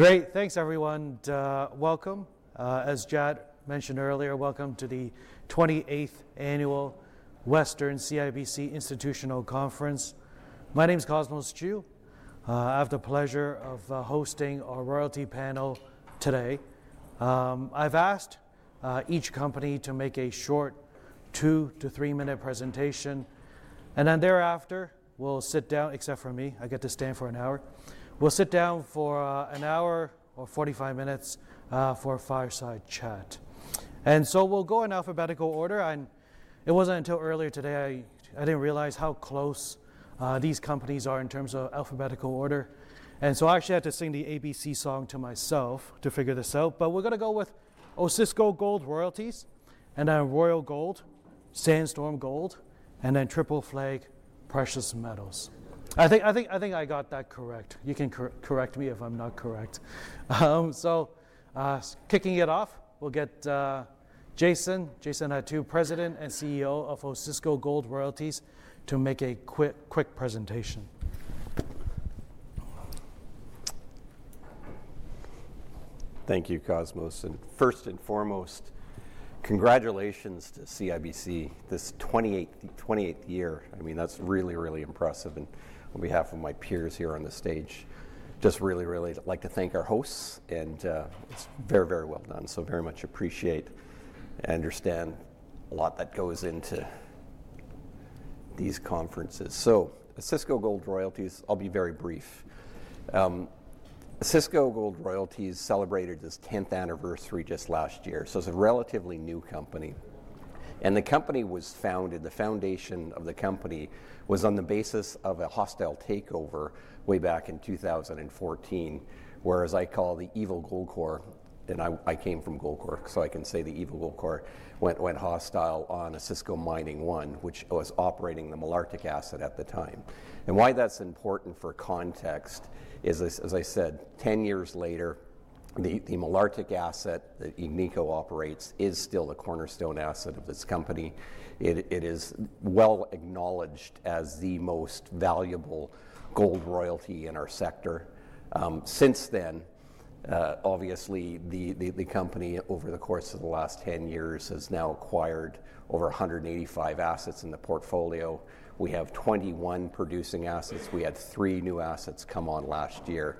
Great, thanks everyone. Welcome. As Chad mentioned earlier, welcome to the 28th Annual Western CIBC Institutional Conference. My name is Cosmos Chiu. I have the pleasure of hosting our royalty panel today. I've asked each company to make a short two- to three-minute presentation, and then thereafter we'll sit down, except for me. I get to stand for an hour. We'll sit down for an hour or 45 minutes for a fireside chat, and so we'll go in alphabetical order. It wasn't until earlier today I didn't realize how close these companies are in terms of alphabetical order. And so I actually had to sing the ABC song to myself to figure this out, but we're going to go with Osisko Gold Royalties, and then Royal Gold, Sandstorm Gold, and then Triple Flag Precious Metals. I think I got that correct. You can correct me if I'm not correct. So kicking it off, we'll get Jason. Jason Attew, President and CEO of Osisko Gold Royalties, to make a quick presentation. Thank you, Cosmos. And first and foremost, congratulations to CIBC this 28th year. I mean, that's really, really impressive. And on behalf of my peers here on the stage, just really, really like to thank our hosts. And it's very, very well done. So very much appreciate and understand a lot that goes into these conferences. So Osisko Gold Royalties, I'll be very brief. Osisko Gold Royalties celebrated its 10th anniversary just last year. So it's a relatively new company. And the company was founded, the foundation of the company was on the basis of a hostile takeover way back in 2014, which I call the evil Goldcorp, and I came from Goldcorp, so I can say the evil Goldcorp went hostile on Osisko Mining Inc., which was operating the Malartic asset at the time. And why that's important for context is, as I said, 10 years later, the Malartic asset that Agnico operates is still the cornerstone asset of this company. It is well acknowledged as the most valuable gold royalty in our sector. Since then, obviously, the company over the course of the last 10 years has now acquired over 185 assets in the portfolio. We have 21 producing assets. We had three new assets come on last year.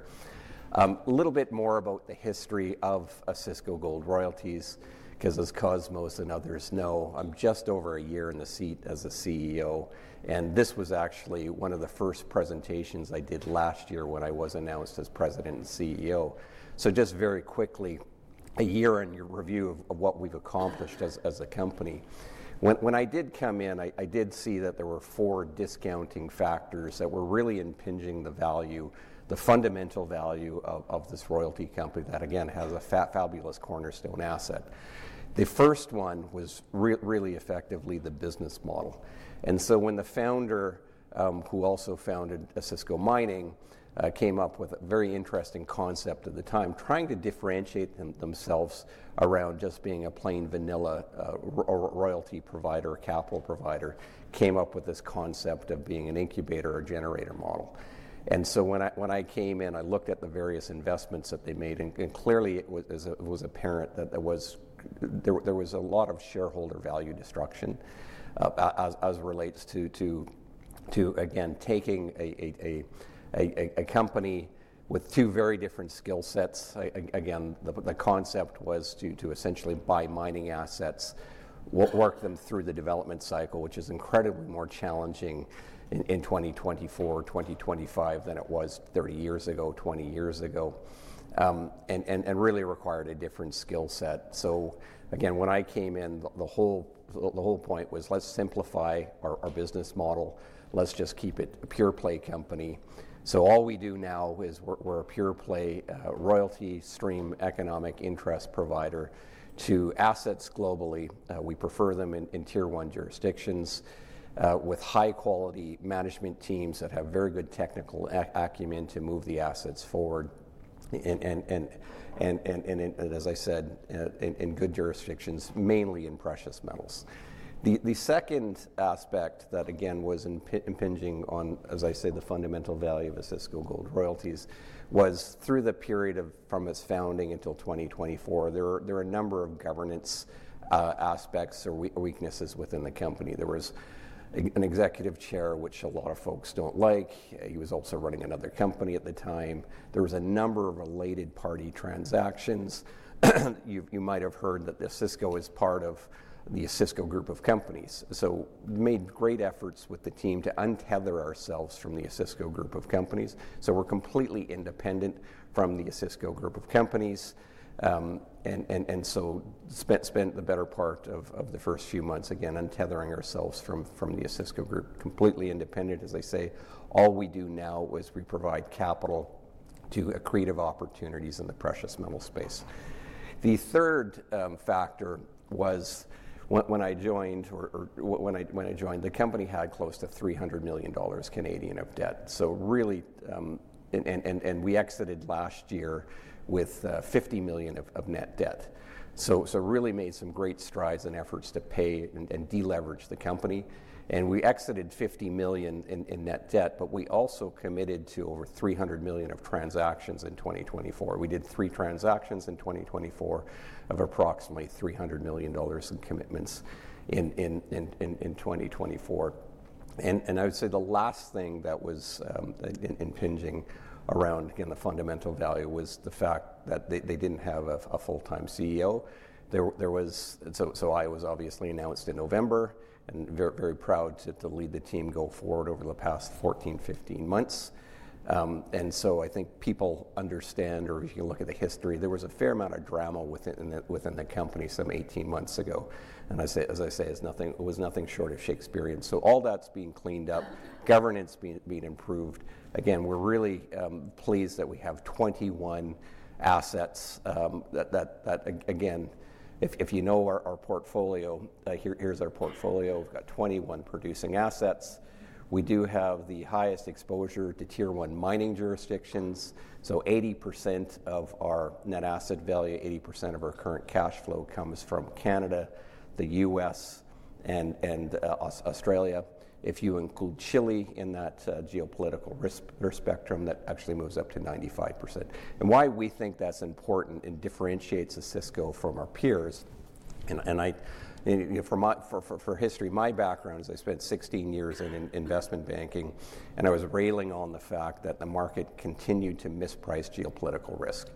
A little bit more about the history of Osisko Gold Royalties, because as Cosmos and others know, I'm just over a year in the seat as a CEO. And this was actually one of the first presentations I did last year when I was announced as President and CEO. So just very quickly, a year in review of what we've accomplished as a company. When I did come in, I did see that there were four discounting factors that were really impinging the value, the fundamental value of this royalty company that, again, has a fabulous cornerstone asset. The first one was really effectively the business model, and so when the founder, who also founded Osisko Mining, came up with a very interesting concept at the time, trying to differentiate themselves around just being a plain vanilla royalty provider, capital provider, came up with this concept of being an incubator or generator model, and so when I came in, I looked at the various investments that they made, and clearly, it was apparent that there was a lot of shareholder value destruction as it relates to, again, taking a company with two very different skill sets. Again, the concept was to essentially buy mining assets, work them through the development cycle, which is incredibly more challenging in 2024, 2025 than it was 30 years ago, 20 years ago, and really required a different skill set. So again, when I came in, the whole point was, let's simplify our business model. Let's just keep it a pure play company. So all we do now is we're a pure play royalty stream economic interest provider to assets globally. We prefer them in tier one jurisdictions with high quality management teams that have very good technical acumen to move the assets forward, and as I said, in good jurisdictions, mainly in precious metals. The second aspect that, again, was impinging on, as I say, the fundamental value of Osisko Gold Royalties was through the period from its founding until 2024, there were a number of governance aspects or weaknesses within the company. There was an executive chair, which a lot of folks don't like. He was also running another company at the time. There was a number of related party transactions. You might have heard that Osisko is part of the Osisko Group of Companies. So we made great efforts with the team to untether ourselves from the Osisko Group of Companies. So we're completely independent from the Osisko Group of Companies, and so spent the better part of the first few months, again, untethering ourselves from the Osisko Group, completely independent, as I say. All we do now is we provide capital to creative opportunities in the precious metal space. The third factor was when I joined the company had close to 300 million Canadian dollars of debt. So really, and we exited last year with $50 million of net debt. So really made some great strides and efforts to pay and deleverage the company. And we exited $50 million in net debt, but we also committed to over $300 million of transactions in 2024. We did three transactions in 2024 of approximately $300 million in commitments in 2024. And I would say the last thing that was impinging around, again, the fundamental value was the fact that they didn't have a full-time CEO. So I was obviously announced in November and very proud to lead the team go forward over the past 14, 15 months. And so I think people understand, or if you can look at the history, there was a fair amount of drama within the company some 18 months ago. And as I say, it was nothing short of Shakespearean. So all that's being cleaned up, governance being improved. Again, we're really pleased that we have 21 assets that, again, if you know our portfolio, here's our portfolio. We've got 21 producing assets. We do have the highest exposure to tier one mining jurisdictions. So 80% of our net asset value, 80% of our current cash flow comes from Canada, the U.S., and Australia. If you include Chile in that geopolitical risk spectrum, that actually moves up to 95%. And why we think that's important and differentiates Osisko from our peers. And for history, my background is, I spent 16 years in investment banking, and I was railing on the fact that the market continued to misprice geopolitical risk.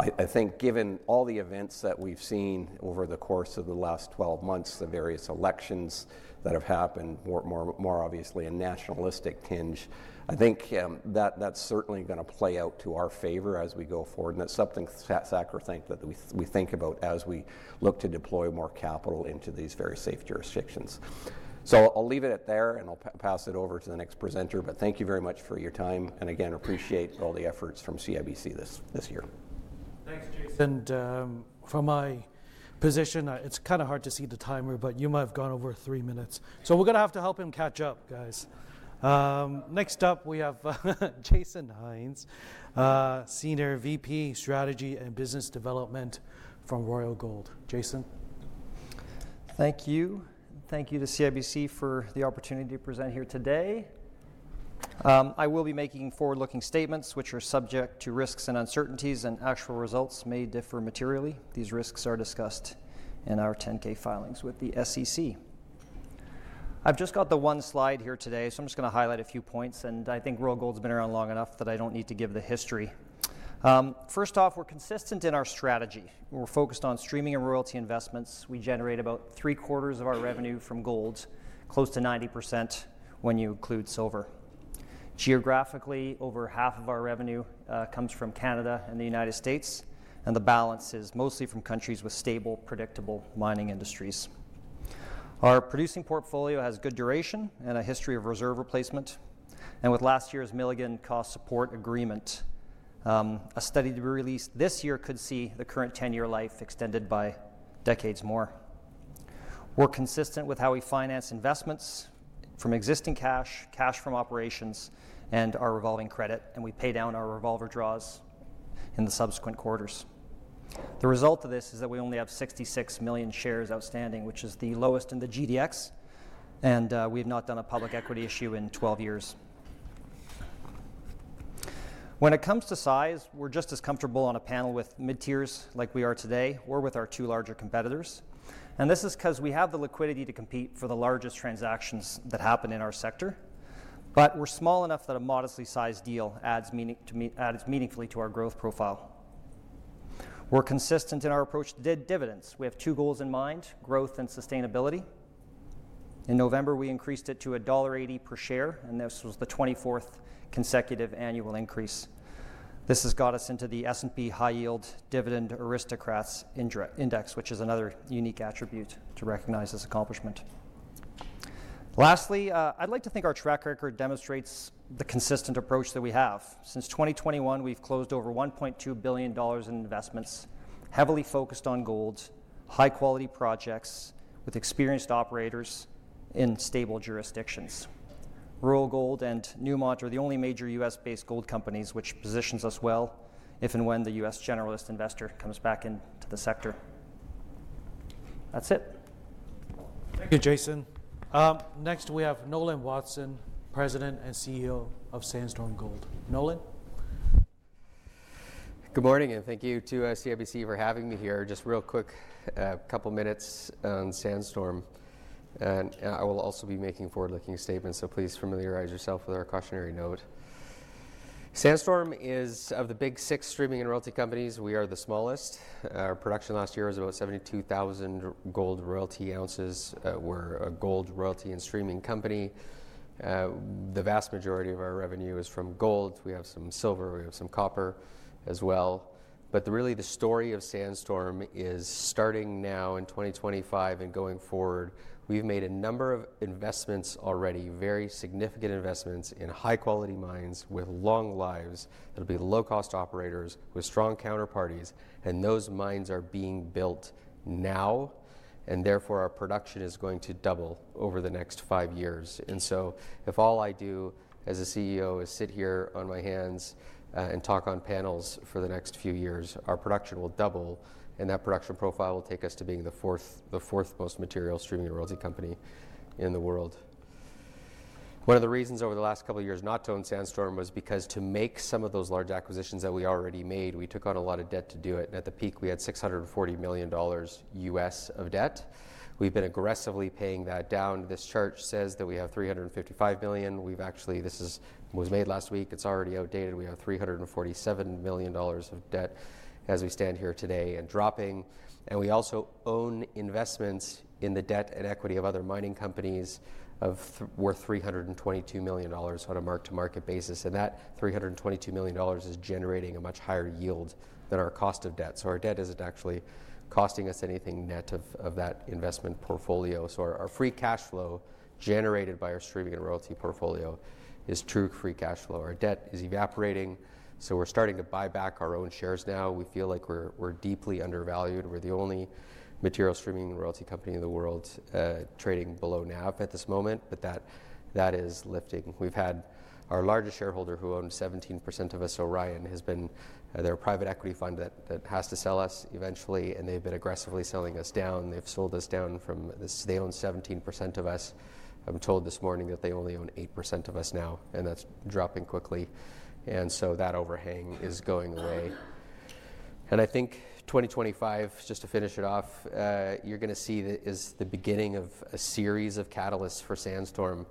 I think given all the events that we've seen over the course of the last 12 months, the various elections that have happened, more obviously a nationalistic tinge, I think that's certainly going to play out to our favor as we go forward. And that's something sacrosanct that we think about as we look to deploy more capital into these very safe jurisdictions. So I'll leave it at there and I'll pass it over to the next presenter. But thank you very much for your time. And again, appreciate all the efforts from CIBC this year. Thanks, Jason. From my position, it's kind of hard to see the timer, but you might have gone over three minutes. We're going to have to help him catch up, guys. Next up, we have Jason Hynes, Senior VP, Strategy and Business Development from Royal Gold. Jason. Thank you. Thank you to CIBC for the opportunity to present here today. I will be making forward-looking statements, which are subject to risks and uncertainties, and actual results may differ materially. These risks are discussed in our 10-K filings with the SEC. I've just got the one slide here today, so I'm just going to highlight a few points, and I think Royal Gold's been around long enough that I don't need to give the history. First off, we're consistent in our strategy. We're focused on streaming and royalty investments. We generate about three quarters of our revenue from gold, close to 90% when you include silver. Geographically, over half of our revenue comes from Canada and the United States, and the balance is mostly from countries with stable, predictable mining industries. Our producing portfolio has good duration and a history of reserve replacement. With last year's Mount Milligan Cost Support Agreement, a study that we released this year could see the current 10-year life extended by decades more. We're consistent with how we finance investments from existing cash, cash from operations, and our revolving credit. And we pay down our revolver draws in the subsequent quarters. The result of this is that we only have 66 million shares outstanding, which is the lowest in the GDX. And we have not done a public equity issue in 12 years. When it comes to size, we're just as comfortable on a panel with mid-tiers like we are today or with our two larger competitors. And this is because we have the liquidity to compete for the largest transactions that happen in our sector. But we're small enough that a modestly sized deal adds meaningfully to our growth profile. We're consistent in our approach to dividends. We have two goals in mind, growth and sustainability. In November, we increased it to $1.80 per share, and this was the 24th consecutive annual increase. This has got us into the S&P High Yield Dividend Aristocrats Index, which is another unique attribute to recognize as accomplishment. Lastly, I'd like to think our track record demonstrates the consistent approach that we have. Since 2021, we've closed over $1.2 billion in investments, heavily focused on gold, high-quality projects with experienced operators in stable jurisdictions. Royal Gold and Newmont are the only major U.S.-based gold companies which positions us well if and when the U.S. generalist investor comes back into the sector. That's it. Thank you, Jason. Next, we have Nolan Watson, President and CEO of Sandstorm Gold. Nolan. Good morning and thank you to CIBC for having me here. Just real quick, a couple of minutes on Sandstorm, and I will also be making forward-looking statements, so please familiarize yourself with our cautionary note. Sandstorm is one of the big six streaming and royalty companies. We are the smallest. Our production last year was about 72,000 gold royalty ounces. We're a gold royalty and streaming company. The vast majority of our revenue is from gold. We have some silver. We have some copper as well. But really, the story of Sandstorm is starting now in 2025 and going forward. We've made a number of investments already, very significant investments in high-quality mines with long lives that will be low-cost operators with strong counterparties, and those mines are being built now, and therefore, our production is going to double over the next five years. And so if all I do as a CEO is sit here on my hands and talk on panels for the next few years, our production will double. And that production profile will take us to being the fourth most material streaming and royalty company in the world. One of the reasons over the last couple of years not to own Sandstorm was because to make some of those large acquisitions that we already made, we took on a lot of debt to do it. And at the peak, we had $640 million of debt. We've been aggressively paying that down. This chart says that we have $355 million. This was made last week. It's already outdated. We have $347 million of debt as we stand here today and dropping. And we also own investments in the debt and equity of other mining companies worth $322 million on a mark-to-market basis. And that $322 million is generating a much higher yield than our cost of debt. So our debt isn't actually costing us anything net of that investment portfolio. So our free cash flow generated by our streaming and royalty portfolio is true free cash flow. Our debt is evaporating. So we're starting to buy back our own shares now. We feel like we're deeply undervalued. We're the only material streaming and royalty company in the world trading below NAV at this moment. But that is lifting. We've had our largest shareholder who owns 17% of us, Orion, has been their private equity fund that has to sell us eventually. And they've been aggressively selling us down. They've sold us down from this. They own 17% of us. I'm told this morning that they only own 8% of us now. And that's dropping quickly. And so that overhang is going away. And I think 2025, just to finish it off, you're going to see that is the beginning of a series of catalysts for Sandstorm.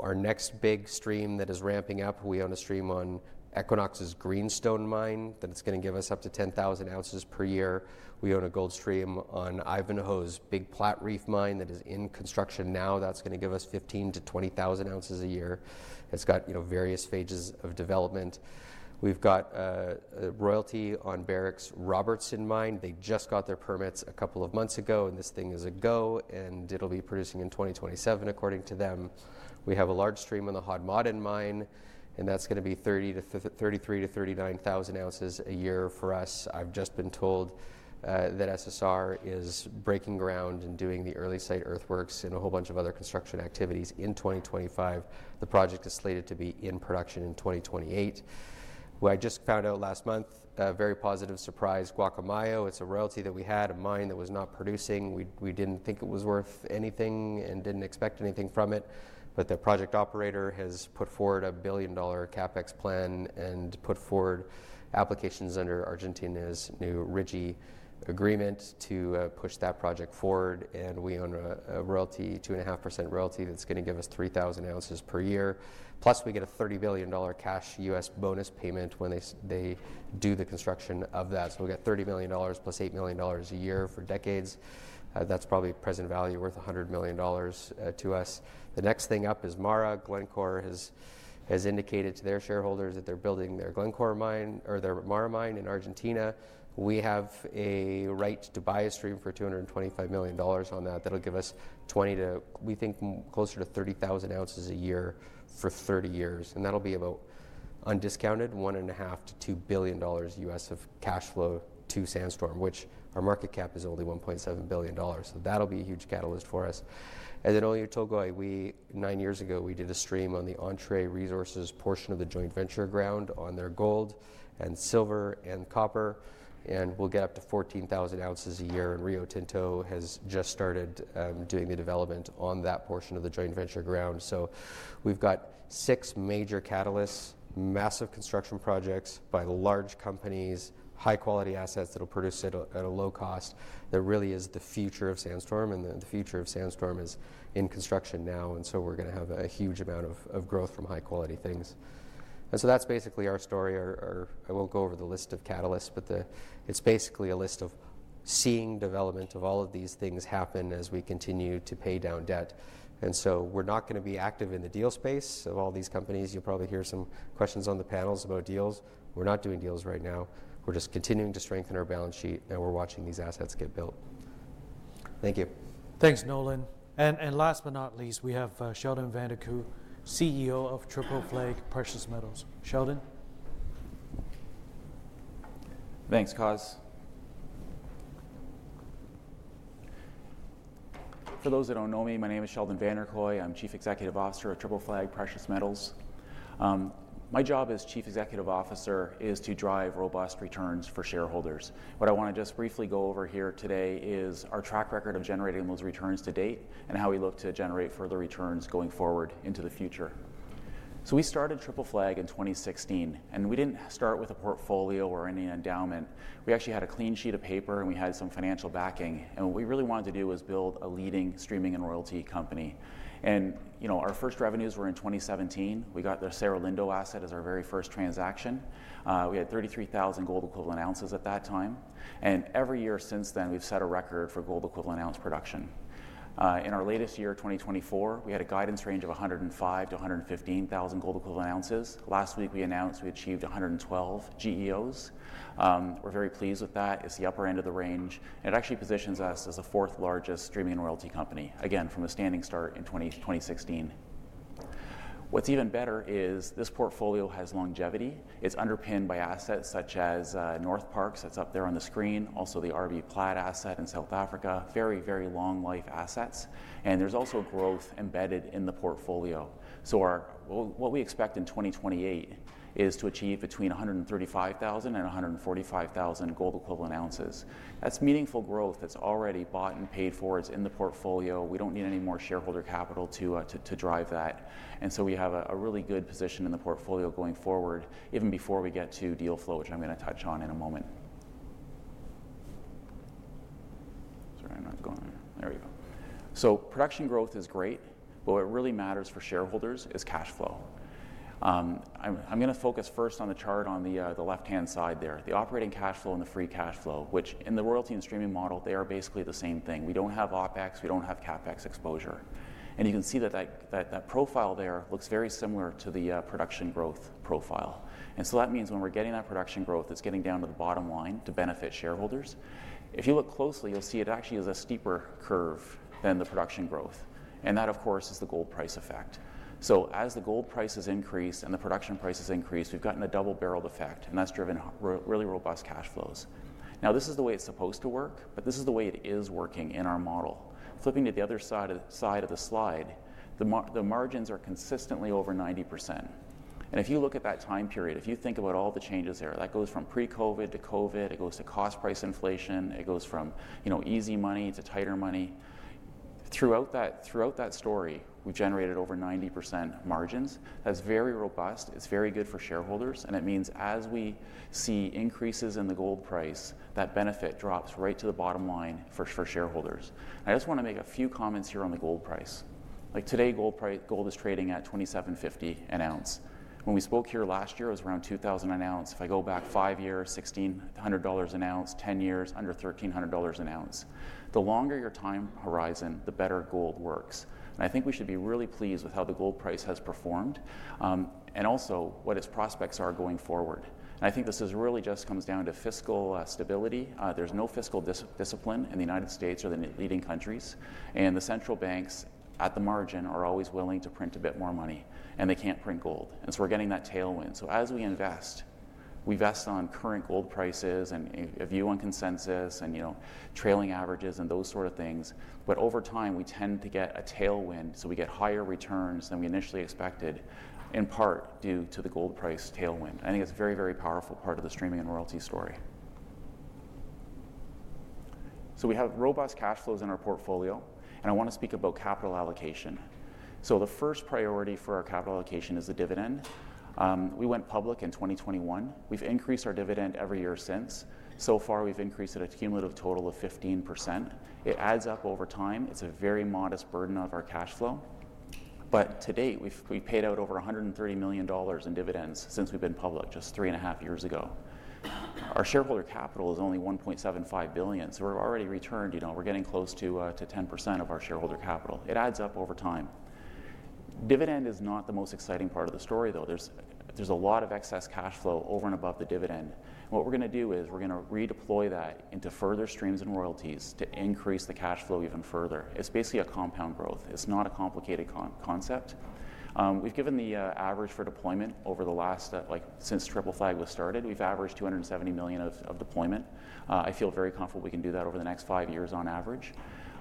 Our next big stream that is ramping up, we own a stream on Equinox's Greenstone mine that's going to give us up to 10,000 ounces per year. We own a gold stream on Ivanhoe's Platreef mine that is in construction now. That's going to give us 15,000-20,000 ounces a year. It's got various phases of development. We've got royalty on Barrick's Robertson mine. They just got their permits a couple of months ago. And this thing is a go. And it'll be producing in 2027, according to them. We have a large stream on the Hod Maden mine. And that's going to be 33,000-39,000 ounces a year for us. I've just been told that SSR is breaking ground and doing the early site earthworks and a whole bunch of other construction activities in 2025. The project is slated to be in production in 2028. I just found out last month, very positive surprise, Gualcamayo. It's a royalty that we had, a mine that was not producing. We didn't think it was worth anything and didn't expect anything from it. But the project operator has put forward a $1 billion CapEx plan and put forward applications under Argentina's new RIGI agreement to push that project forward. And we own a royalty, 2.5% royalty that's going to give us 3,000 ounces per year. Plus, we get a $30 billion cash U.S. bonus payment when they do the construction of that. We'll get $30 million + $8 million a year for decades. That's probably present value worth $100 million to us. The next thing up is MARA. Glencore has indicated to their shareholders that they're building their MARA mine in Argentina. We have a right to buy a stream for $225 million on that. That'll give us 20 to, we think, closer to 30,000 ounces a year for 30 years. That'll be about, undiscounted, $1.5-$2 billion of cash flow to Sandstorm, which our market cap is only $1.7 billion. That'll be a huge catalyst for us. Then Oyu Tolgoi. Nine years ago, we did a stream on the Entrée Resources portion of the joint venture ground on their gold and silver and copper. We'll get up to 14,000 ounces a year. And Rio Tinto has just started doing the development on that portion of the joint venture ground. So we've got six major catalysts, massive construction projects by large companies, high-quality assets that'll produce it at a low cost. That really is the future of Sandstorm. And the future of Sandstorm is in construction now. And so we're going to have a huge amount of growth from high-quality things. And so that's basically our story. I won't go over the list of catalysts, but it's basically a list of seeing development of all of these things happen as we continue to pay down debt. And so we're not going to be active in the deal space of all these companies. You'll probably hear some questions on the panels about deals. We're not doing deals right now. We're just continuing to strengthen our balance sheet. And we're watching these assets get built. Thank you. Thanks, Nolan. And last but not least, we have Sheldon Vanderkooy, CEO of Triple Flag Precious Metals. Sheldon. Thanks, Cos. For those that don't know me, my name is Sheldon Vanderkooy. I'm Chief Executive Officer at Triple Flag Precious Metals. My job as Chief Executive Officer is to drive robust returns for shareholders. What I want to just briefly go over here today is our track record of generating those returns to date and how we look to generate further returns going forward into the future. So we started Triple Flag in 2016. And we didn't start with a portfolio or any endowment. We actually had a clean sheet of paper and we had some financial backing. And what we really wanted to do was build a leading streaming and royalty company. And our first revenues were in 2017. We got the Cerro Lindo asset as our very first transaction. We had 33,000 gold equivalent ounces at that time. Every year since then, we've set a record for gold equivalent ounce production. In our latest year, 2024, we had a guidance range of 105,000 to 115,000 gold equivalent ounces. Last week, we announced we achieved 112 GEOs. We're very pleased with that. It's the upper end of the range. It actually positions us as the fourth largest streaming and royalty company, again, from a standing start in 2016. What's even better is this portfolio has longevity. It's underpinned by assets such as Northparkes that's up there on the screen, also the RBPlat asset in South Africa, very, very long-life assets. There's also growth embedded in the portfolio. What we expect in 2028 is to achieve between 135,000 and 145,000 gold equivalent ounces. That's meaningful growth. That's already bought and paid for. It's in the portfolio. We don't need any more shareholder capital to drive that. And so we have a really good position in the portfolio going forward, even before we get to deal flow, which I'm going to touch on in a moment. Sorry, I'm not going. There we go. So production growth is great, but what really matters for shareholders is cash flow. I'm going to focus first on the chart on the left-hand side there, the operating cash flow and the free cash flow, which in the royalty and streaming model, they are basically the same thing. We don't have OpEx. We don't have CapEx exposure. And you can see that that profile there looks very similar to the production growth profile. And so that means when we're getting that production growth, it's getting down to the bottom line to benefit shareholders. If you look closely, you'll see it actually is a steeper curve than the production growth, and that, of course, is the gold price effect, so as the gold price has increased and the production price has increased, we've gotten a double-barreled effect, and that's driven really robust cash flows. Now, this is the way it's supposed to work, but this is the way it is working in our model. Flipping to the other side of the slide, the margins are consistently over 90%, and if you look at that time period, if you think about all the changes there, that goes from pre-COVID to COVID, it goes to cost price inflation, it goes from easy money to tighter money. Throughout that story, we've generated over 90% margins. That's very robust. It's very good for shareholders. It means as we see increases in the gold price, that benefit drops right to the bottom line for shareholders. I just want to make a few comments here on the gold price. Like today, gold is trading at $2,750 an ounce. When we spoke here last year, it was around $2,000 an ounce. If I go back five years, $1,600 an ounce. Ten years, under $1,300 an ounce. The longer your time horizon, the better gold works. I think we should be really pleased with how the gold price has performed and also what its prospects are going forward. I think this really just comes down to fiscal stability. There's no fiscal discipline in the United States or the leading countries. The central banks at the margin are always willing to print a bit more money. They can't print gold. And so we're getting that tailwind. So as we invest, we vest on current gold prices and a view on consensus and trailing averages and those sort of things. But over time, we tend to get a tailwind. So we get higher returns than we initially expected, in part due to the gold price tailwind. I think it's a very, very powerful part of the streaming and royalty story. So we have robust cash flows in our portfolio. And I want to speak about capital allocation. So the first priority for our capital allocation is the dividend. We went public in 2021. We've increased our dividend every year since. So far, we've increased it a cumulative total of 15%. It adds up over time. It's a very modest burden of our cash flow. But to date, we've paid out over $130 million in dividends since we've been public just three and a half years ago. Our shareholder capital is only $1.75 billion. So we've already returned. We're getting close to 10% of our shareholder capital. It adds up over time. Dividend is not the most exciting part of the story, though. There's a lot of excess cash flow over and above the dividend. And what we're going to do is we're going to redeploy that into further streams and royalties to increase the cash flow even further. It's basically a compound growth. It's not a complicated concept. We've given the average for deployment over the last, since Triple Flag was started, we've averaged $270 million of deployment. I feel very comfortable we can do that over the next five years on average.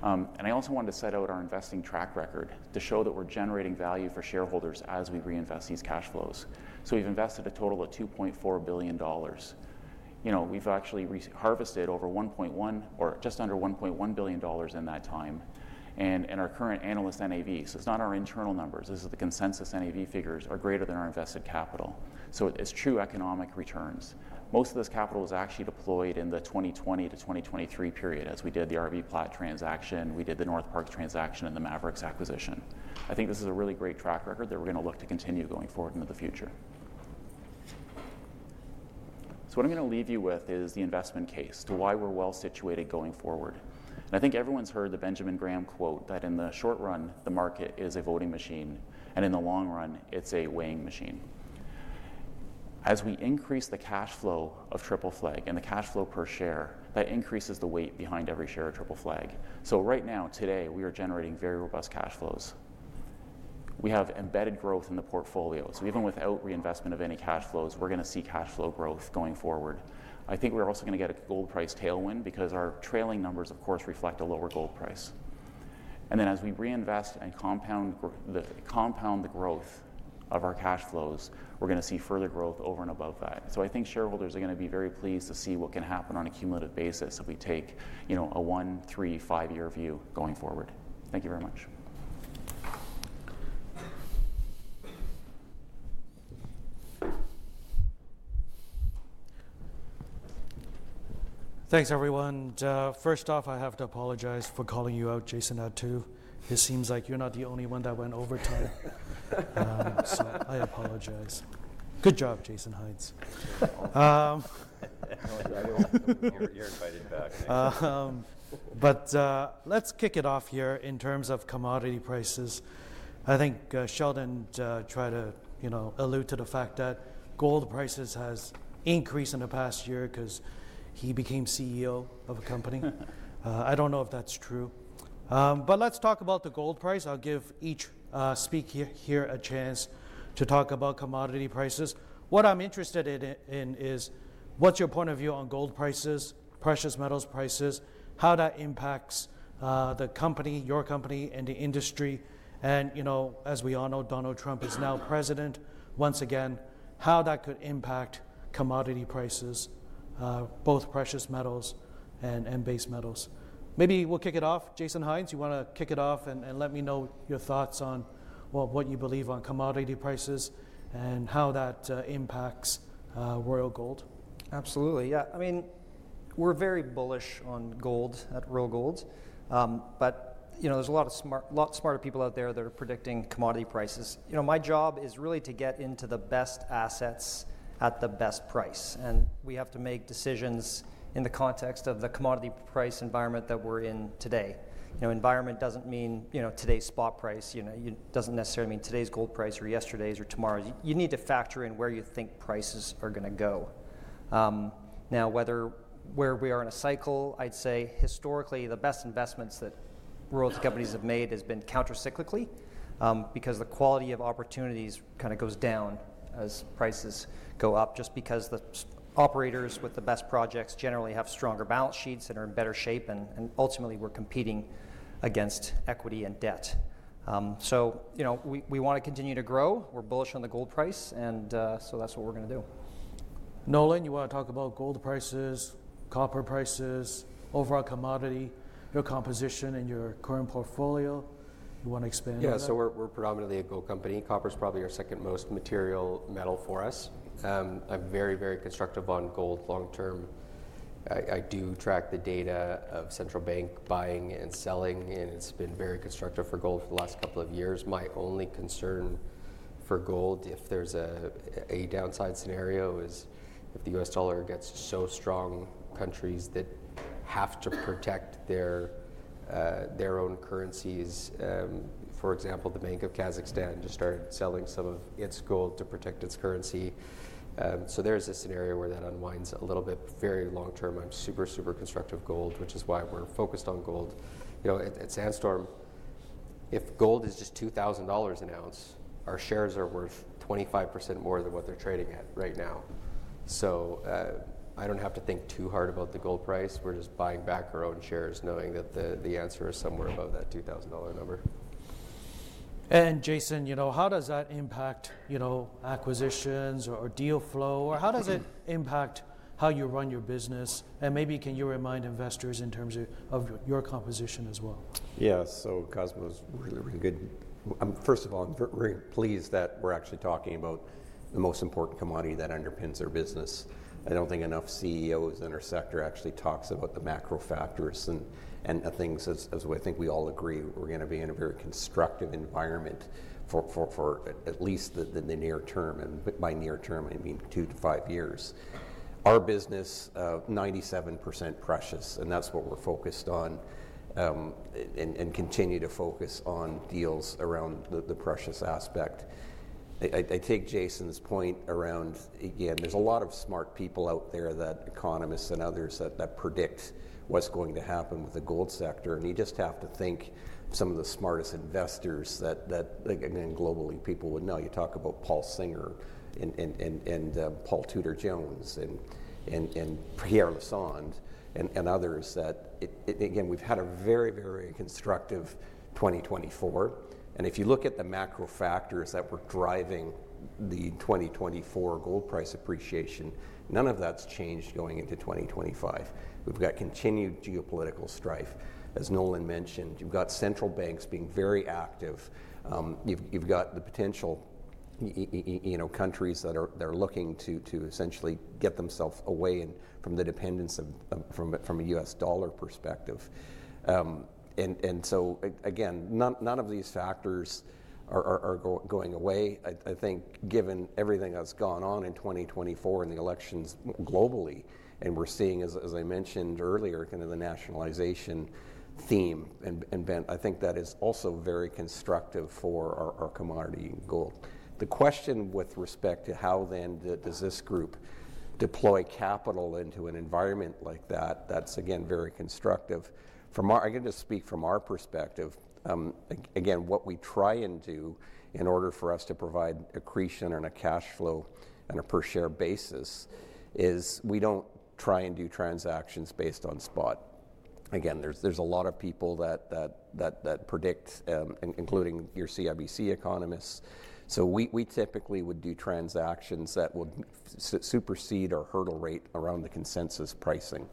And I also wanted to set out our investing track record to show that we're generating value for shareholders as we reinvest these cash flows. So we've invested a total of $2.4 billion. We've actually harvested over $1.1 or just under $1.1 billion in that time. And our current analyst NAV, so it's not our internal numbers, this is the consensus NAV figures, are greater than our invested capital. So it's true economic returns. Most of this capital was actually deployed in the 2020 to 2023 period as we did the RBPlat transaction. We did the Northparkes transaction and the Maverix acquisition. I think this is a really great track record that we're going to look to continue going forward into the future. So what I'm going to leave you with is the investment case to why we're well situated going forward. I think everyone's heard the Benjamin Graham quote that in the short run, the market is a voting machine. And in the long run, it's a weighing machine. As we increase the cash flow of Triple Flag and the cash flow per share, that increases the weight behind every share of Triple Flag. So right now, today, we are generating very robust cash flows. We have embedded growth in the portfolio. So even without reinvestment of any cash flows, we're going to see cash flow growth going forward. I think we're also going to get a gold price tailwind because our trailing numbers, of course, reflect a lower gold price. And then as we reinvest and compound the growth of our cash flows, we're going to see further growth over and above that. So I think shareholders are going to be very pleased to see what can happen on a cumulative basis if we take a one, three, five-year view going forward. Thank you very much. Thanks, everyone. First off, I have to apologize for calling you out, Jason Attew. It seems like you're not the only one that went over time. So I apologize. Good job, Jason Hynes. You're invited back. But let's kick it off here in terms of commodity prices. I think Sheldon tried to allude to the fact that gold prices have increased in the past year because he became CEO of a company. I don't know if that's true. But let's talk about the gold price. I'll give each speaker here a chance to talk about commodity prices. What I'm interested in is what's your point of view on gold prices, precious metals prices, how that impacts the company, your company, and the industry. And as we all know, Donald Trump is now president. Once again, how that could impact commodity prices, both precious metals and base metals. Maybe we'll kick it off. Jason Hynes, you want to kick it off and let me know your thoughts on what you believe on commodity prices and how that impacts Royal Gold. Absolutely. Yeah. I mean, we're very bullish on gold at Royal Gold. But there's a lot of smarter people out there that are predicting commodity prices. My job is really to get into the best assets at the best price. And we have to make decisions in the context of the commodity price environment that we're in today. Environment doesn't mean today's spot price. It doesn't necessarily mean today's gold price or yesterday's or tomorrow's. You need to factor in where you think prices are going to go. Now, whether where we are in a cycle, I'd say historically, the best investments that royalty companies have made have been countercyclically because the quality of opportunities kind of goes down as prices go up just because the operators with the best projects generally have stronger balance sheets and are in better shape. And ultimately, we're competing against equity and debt. So we want to continue to grow. We're bullish on the gold price. And so that's what we're going to do. Nolan, you want to talk about gold prices, copper prices, overall commodity, your composition in your current portfolio. You want to expand on that. Yeah. So we're predominantly a gold company. Copper is probably our second most material metal for us. I'm very, very constructive on gold long term. I do track the data of central bank buying and selling. And it's been very constructive for gold for the last couple of years. My only concern for gold, if there's a downside scenario, is if the U.S. dollar gets so strong, countries that have to protect their own currencies. For example, the Bank of Kazakhstan just started selling some of its gold to protect its currency. So there's a scenario where that unwinds a little bit. Very long term, I'm super, super constructive gold, which is why we're focused on gold. At Sandstorm, if gold is just $2,000 an ounce, our shares are worth 25% more than what they're trading at right now. I don't have to think too hard about the gold price. We're just buying back our own shares knowing that the answer is somewhere above that $2,000 number. And Jason, how does that impact acquisitions or deal flow? Or how does it impact how you run your business? And maybe can you remind investors in terms of your composition as well? Yeah, so Cosmo is really, really good. First of all, I'm very pleased that we're actually talking about the most important commodity that underpins our business. I don't think enough CEOs in our sector actually talk about the macro factors and things, as we think we all agree we're going to be in a very constructive environment for at least the near term, and by near term, I mean two to five years. Our business, 97% precious, and that's what we're focused on and continue to focus on deals around the precious aspect. I take Jason's point around, again, there's a lot of smart people out there, economists and others that predict what's going to happen with the gold sector, and you just have to think some of the smartest investors that, again, globally, people would know. You talk about Paul Singer and Paul Tudor Jones and Pierre Lassonde and others that, again, we've had a very, very constructive 2024. And if you look at the macro factors that were driving the 2024 gold price appreciation, none of that's changed going into 2025. We've got continued geopolitical strife. As Nolan mentioned, you've got central banks being very active. You've got the potential countries that are looking to essentially get themselves away from the dependence from a U.S. dollar perspective. And so, again, none of these factors are going away. I think given everything that's gone on in 2024 and the elections globally, and we're seeing, as I mentioned earlier, kind of the nationalization theme, I think that is also very constructive for our commodity gold. The question with respect to how then does this group deploy capital into an environment like that, that's, again, very constructive. I can just speak from our perspective. Again, what we try and do in order for us to provide accretion on a cash flow and a per share basis is we don't try and do transactions based on spot. Again, there's a lot of people that predict, including your CIBC economists. So we typically would do transactions that would supersede our hurdle rate around the consensus pricing.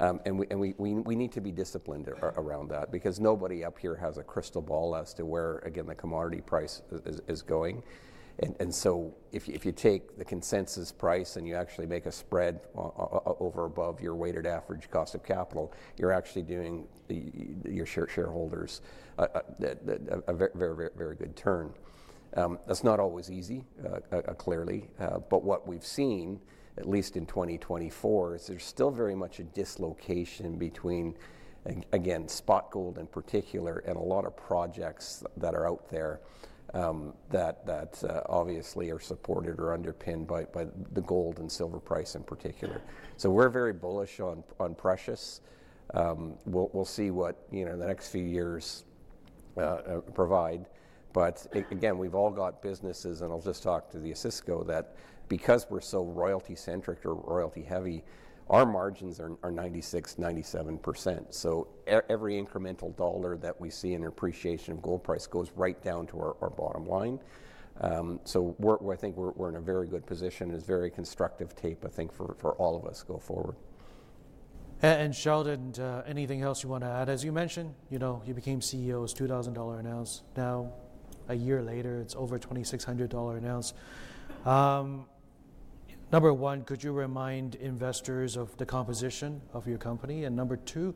And we need to be disciplined around that because nobody up here has a crystal ball as to where, again, the commodity price is going. And so if you take the consensus price and you actually make a spread over and above your weighted average cost of capital, you're actually doing your shareholders a very, very good turn. That's not always easy, clearly. But what we've seen, at least in 2024, is there's still very much a dislocation between, again, spot gold in particular and a lot of projects that are out there that obviously are supported or underpinned by the gold and silver price in particular. So we're very bullish on precious. We'll see what the next few years provide. But again, we've all got businesses, and I'll just talk about Osisko because we're so royalty-centric or royalty-heavy, our margins are 96%, 97%. So every incremental dollar that we see in appreciation of gold price goes right down to our bottom line. So I think we're in a very good position. It's very constructive tape, I think, for all of us going forward. Sheldon, anything else you want to add? As you mentioned, you became CEO, it was $2,000 an ounce. Now, a year later, it's over $2,600 an ounce. Number one, could you remind investors of the composition of your company? And number two,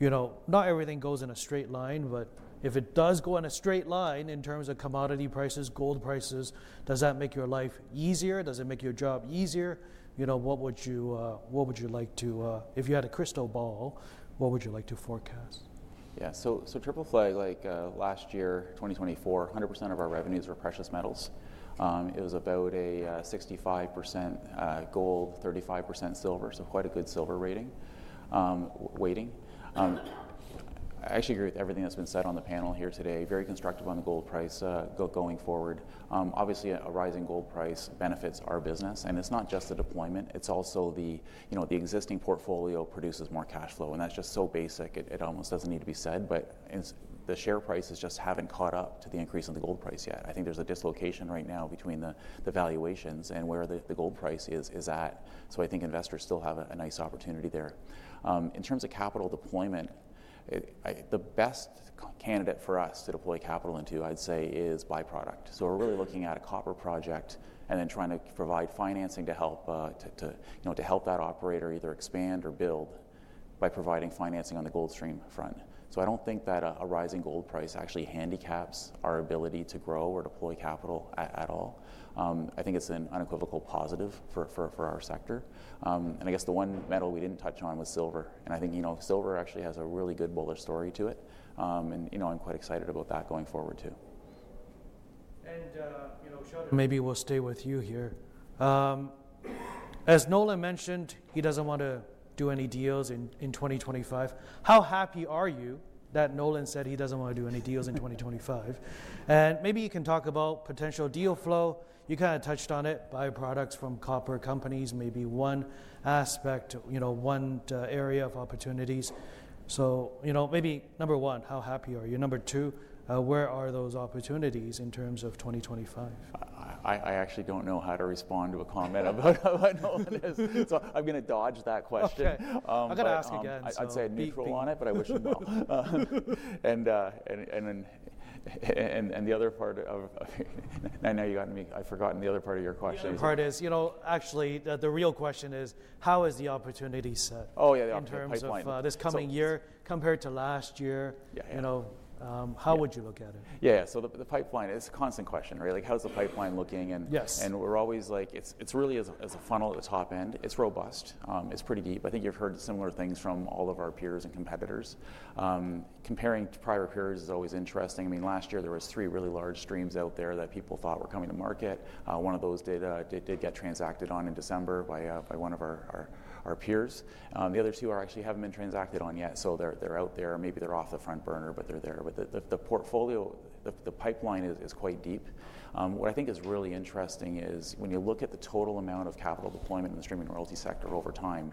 not everything goes in a straight line. But if it does go in a straight line in terms of commodity prices, gold prices, does that make your life easier? Does it make your job easier? What would you like to, if you had a crystal ball, what would you like to forecast? Yeah. So Triple Flag, like last year, 2024, 100% of our revenues were precious metals. It was about a 65% gold, 35% silver, so quite a good silver rating weighting. I actually agree with everything that's been said on the panel here today. Very constructive on the gold price going forward. Obviously, a rising gold price benefits our business. And it's not just the deployment. It's also the existing portfolio produces more cash flow. And that's just so basic. It almost doesn't need to be said. But the share prices just haven't caught up to the increase in the gold price yet. I think there's a dislocation right now between the valuations and where the gold price is at. So I think investors still have a nice opportunity there. In terms of capital deployment, the best candidate for us to deploy capital into, I'd say, is byproduct. So we're really looking at a copper project and then trying to provide financing to help that operator either expand or build by providing financing on the gold stream front. So I don't think that a rising gold price actually handicaps our ability to grow or deploy capital at all. I think it's an unequivocal positive for our sector. And I guess the one metal we didn't touch on was silver. And I think silver actually has a really good bullish story to it. And I'm quite excited about that going forward too. Maybe we'll stay with you here. As Nolan mentioned, he doesn't want to do any deals in 2025. How happy are you that Nolan said he doesn't want to do any deals in 2025? Maybe you can talk about potential deal flow. You kind of touched on it, byproducts from copper companies, maybe one aspect, one area of opportunities. Maybe number one, how happy are you? Number two, where are those opportunities in terms of 2025? I actually don't know how to respond to a comment about Nolan's, so I'm going to dodge that question. Okay. I've got to ask again. I'd say a neutral on it, but I wish you not. And now you got me, I've forgotten the other part of your question. The other part is, actually, the real question is, how is the opportunity set in terms of this coming year compared to last year? How would you look at it? Yeah. So the pipeline, it's a constant question, right? How's the pipeline looking? And we're always like, it's really a funnel at the top end. It's robust. It's pretty deep. I think you've heard similar things from all of our peers and competitors. Comparing to prior peers is always interesting. I mean, last year, there were three really large streams out there that people thought were coming to market. One of those did get transacted on in December by one of our peers. The other two I actually haven't been transacted on yet. So they're out there. Maybe they're off the front burner, but they're there. But the portfolio, the pipeline is quite deep. What I think is really interesting is when you look at the total amount of capital deployment in the streaming royalty sector over time,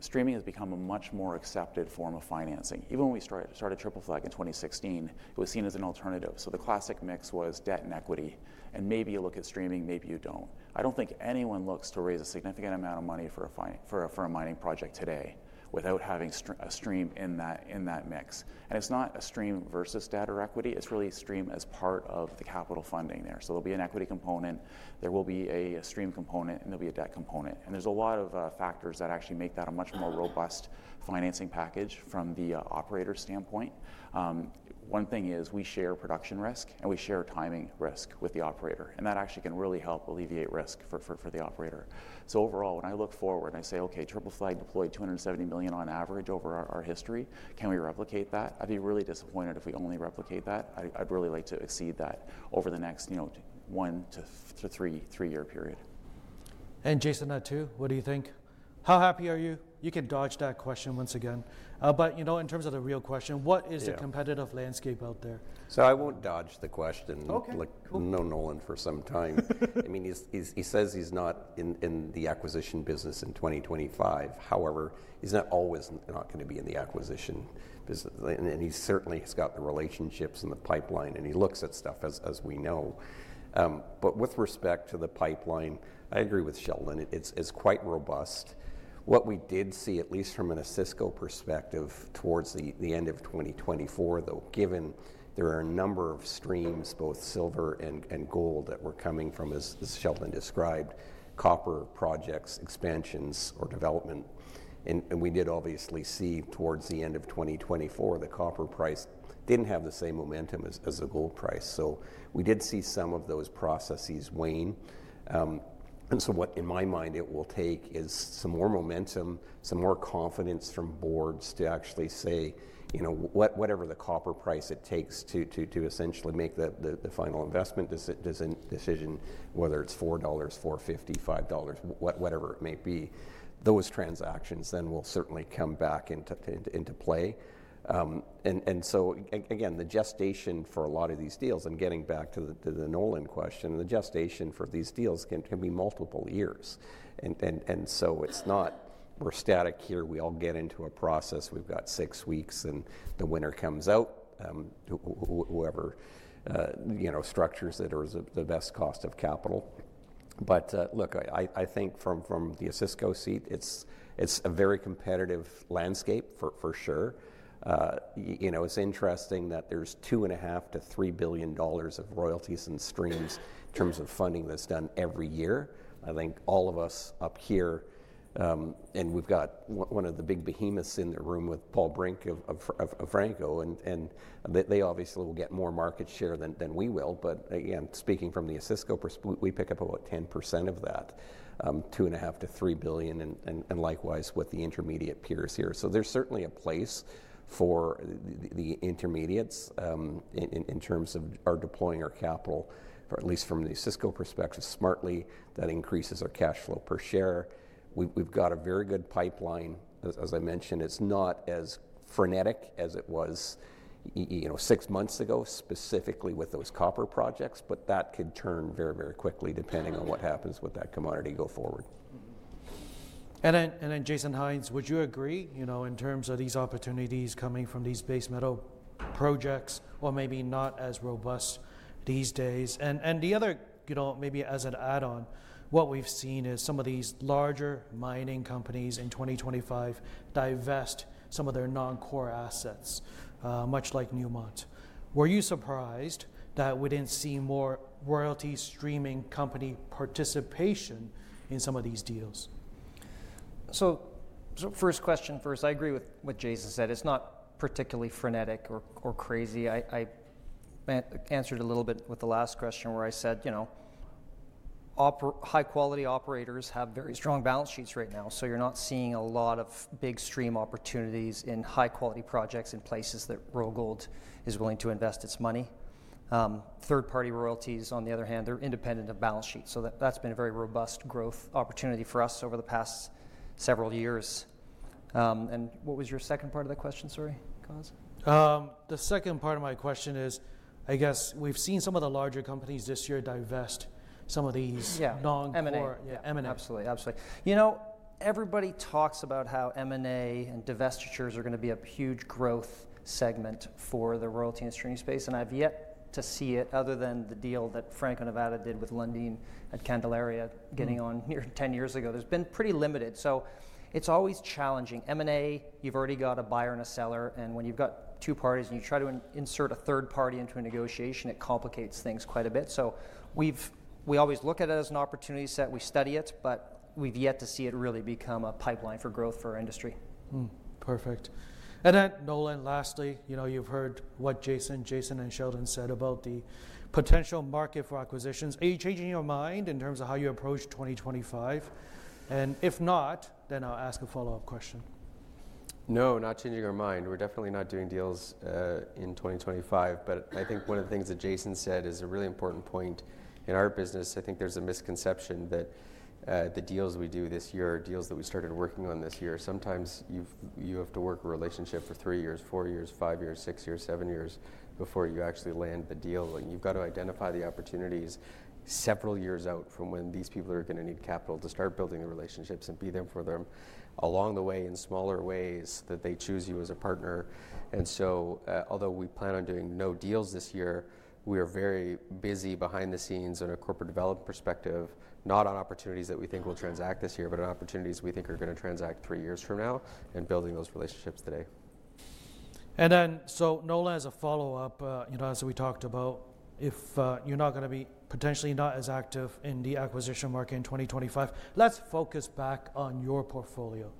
streaming has become a much more accepted form of financing. Even when we started Triple Flag in 2016, it was seen as an alternative. So the classic mix was debt and equity. And maybe you look at streaming, maybe you don't. I don't think anyone looks to raise a significant amount of money for a mining project today without having a stream in that mix. And it's not a stream versus debt or equity. It's really a stream as part of the capital funding there. So there'll be an equity component. There will be a stream component, and there'll be a debt component. And there's a lot of factors that actually make that a much more robust financing package from the operator standpoint. One thing is we share production risk, and we share timing risk with the operator. And that actually can really help alleviate risk for the operator. So overall, when I look forward, I say, okay, Triple Flag deployed $270 million on average over our history. Can we replicate that? I'd be really disappointed if we only replicate that. I'd really like to exceed that over the next one- to three-year period. Jason Attew? What do you think? How happy are you? You can dodge that question once again. But in terms of the real question, what is the competitive landscape out there? So I won't dodge the question. I know Nolan for some time. I mean, he says he's not in the acquisition business in 2025. However, he's not always not going to be in the acquisition business. And he certainly has got the relationships and the pipeline. And he looks at stuff as we know. But with respect to the pipeline, I agree with Sheldon. It's quite robust. What we did see, at least from a CIBC perspective towards the end of 2024, though, given there are a number of streams, both silver and gold, that were coming from, as Sheldon described, copper projects, expansions, or development. And we did obviously see towards the end of 2024, the copper price didn't have the same momentum as the gold price. So we did see some of those processes wane. And so what, in my mind, it will take is some more momentum, some more confidence from boards to actually say, whatever the copper price it takes to essentially make the final investment decision, whether it's $4, $4.50, $5, whatever it may be, those transactions then will certainly come back into play. And so, again, the gestation for a lot of these deals, I'm getting back to the Nolan question, the gestation for these deals can be multiple years. And so it's not we're static here. We all get into a process. We've got six weeks, and the winner comes out, whoever structures it or is the best cost of capital. But look, I think from the Osisko seat, it's a very competitive landscape for sure. It's interesting that there's $2.5 billion-$3 billion of royalties and streams in terms of funding that's done every year. I think all of us up here, and we've got one of the big behemoths in the room with Paul Brink of Franco, and they obviously will get more market share than we will. But again, speaking from the Osisko, we pick up about 10% of that, $2.5 billion-$3 billion, and likewise with the intermediate peers here. So there's certainly a place for the intermediates in terms of our deploying our capital, at least from the Osisko perspective, smartly. That increases our cash flow per share. We've got a very good pipeline. As I mentioned, it's not as frenetic as it was six months ago, specifically with those copper projects. But that could turn very, very quickly depending on what happens with that commodity going forward. And then Jason Hynes, would you agree in terms of these opportunities coming from these base metal projects, or maybe not as robust these days? And the other, maybe as an add-on, what we've seen is some of these larger mining companies in 2025 divest some of their non-core assets, much like Newmont. Were you surprised that we didn't see more royalty streaming company participation in some of these deals? First question first, I agree with what Jason said. It's not particularly frenetic or crazy. I answered a little bit with the last question where I said high-quality operators have very strong balance sheets right now. You're not seeing a lot of big stream opportunities in high-quality projects in places that Royal Gold is willing to invest its money. Third-party royalties, on the other hand, they're independent of balance sheets. That's been a very robust growth opportunity for us over the past several years. What was your second part of the question, sorry? The second part of my question is, I guess we've seen some of the larger companies this year divest some of these non-core. Yeah, M&A. Absolutely. Absolutely. Everybody talks about how M&A and divestitures are going to be a huge growth segment for the royalty and streaming space. I've yet to see it other than the deal that Franco-Nevada did with Lundin at Candelaria getting on here 10 years ago. There's been pretty limited. It's always challenging. M&A, you've already got a buyer and a seller. When you've got two parties and you try to insert a third party into a negotiation, it complicates things quite a bit. We always look at it as an opportunity set. We study it. We've yet to see it really become a pipeline for growth for our industry. Perfect. And then Nolan, lastly, you've heard what Jason and Sheldon said about the potential market for acquisitions. Are you changing your mind in terms of how you approach 2025? And if not, then I'll ask a follow-up question. No, not changing our mind. We're definitely not doing deals in 2025. But I think one of the things that Jason said is a really important point. In our business, I think there's a misconception that the deals we do this year are deals that we started working on this year. Sometimes you have to work a relationship for three years, four years, five years, six years, seven years before you actually land the deal. And you've got to identify the opportunities several years out from when these people are going to need capital to start building the relationships and be there for them along the way in smaller ways that they choose you as a partner. Although we plan on doing no deals this year, we are very busy behind the scenes on a corporate development perspective, not on opportunities that we think will transact this year, but on opportunities we think are going to transact three years from now and building those relationships today. And then, so Nolan, as a follow-up, as we talked about, if you're not going to be potentially not as active in the acquisition market in 2025, let's focus back on your portfolio.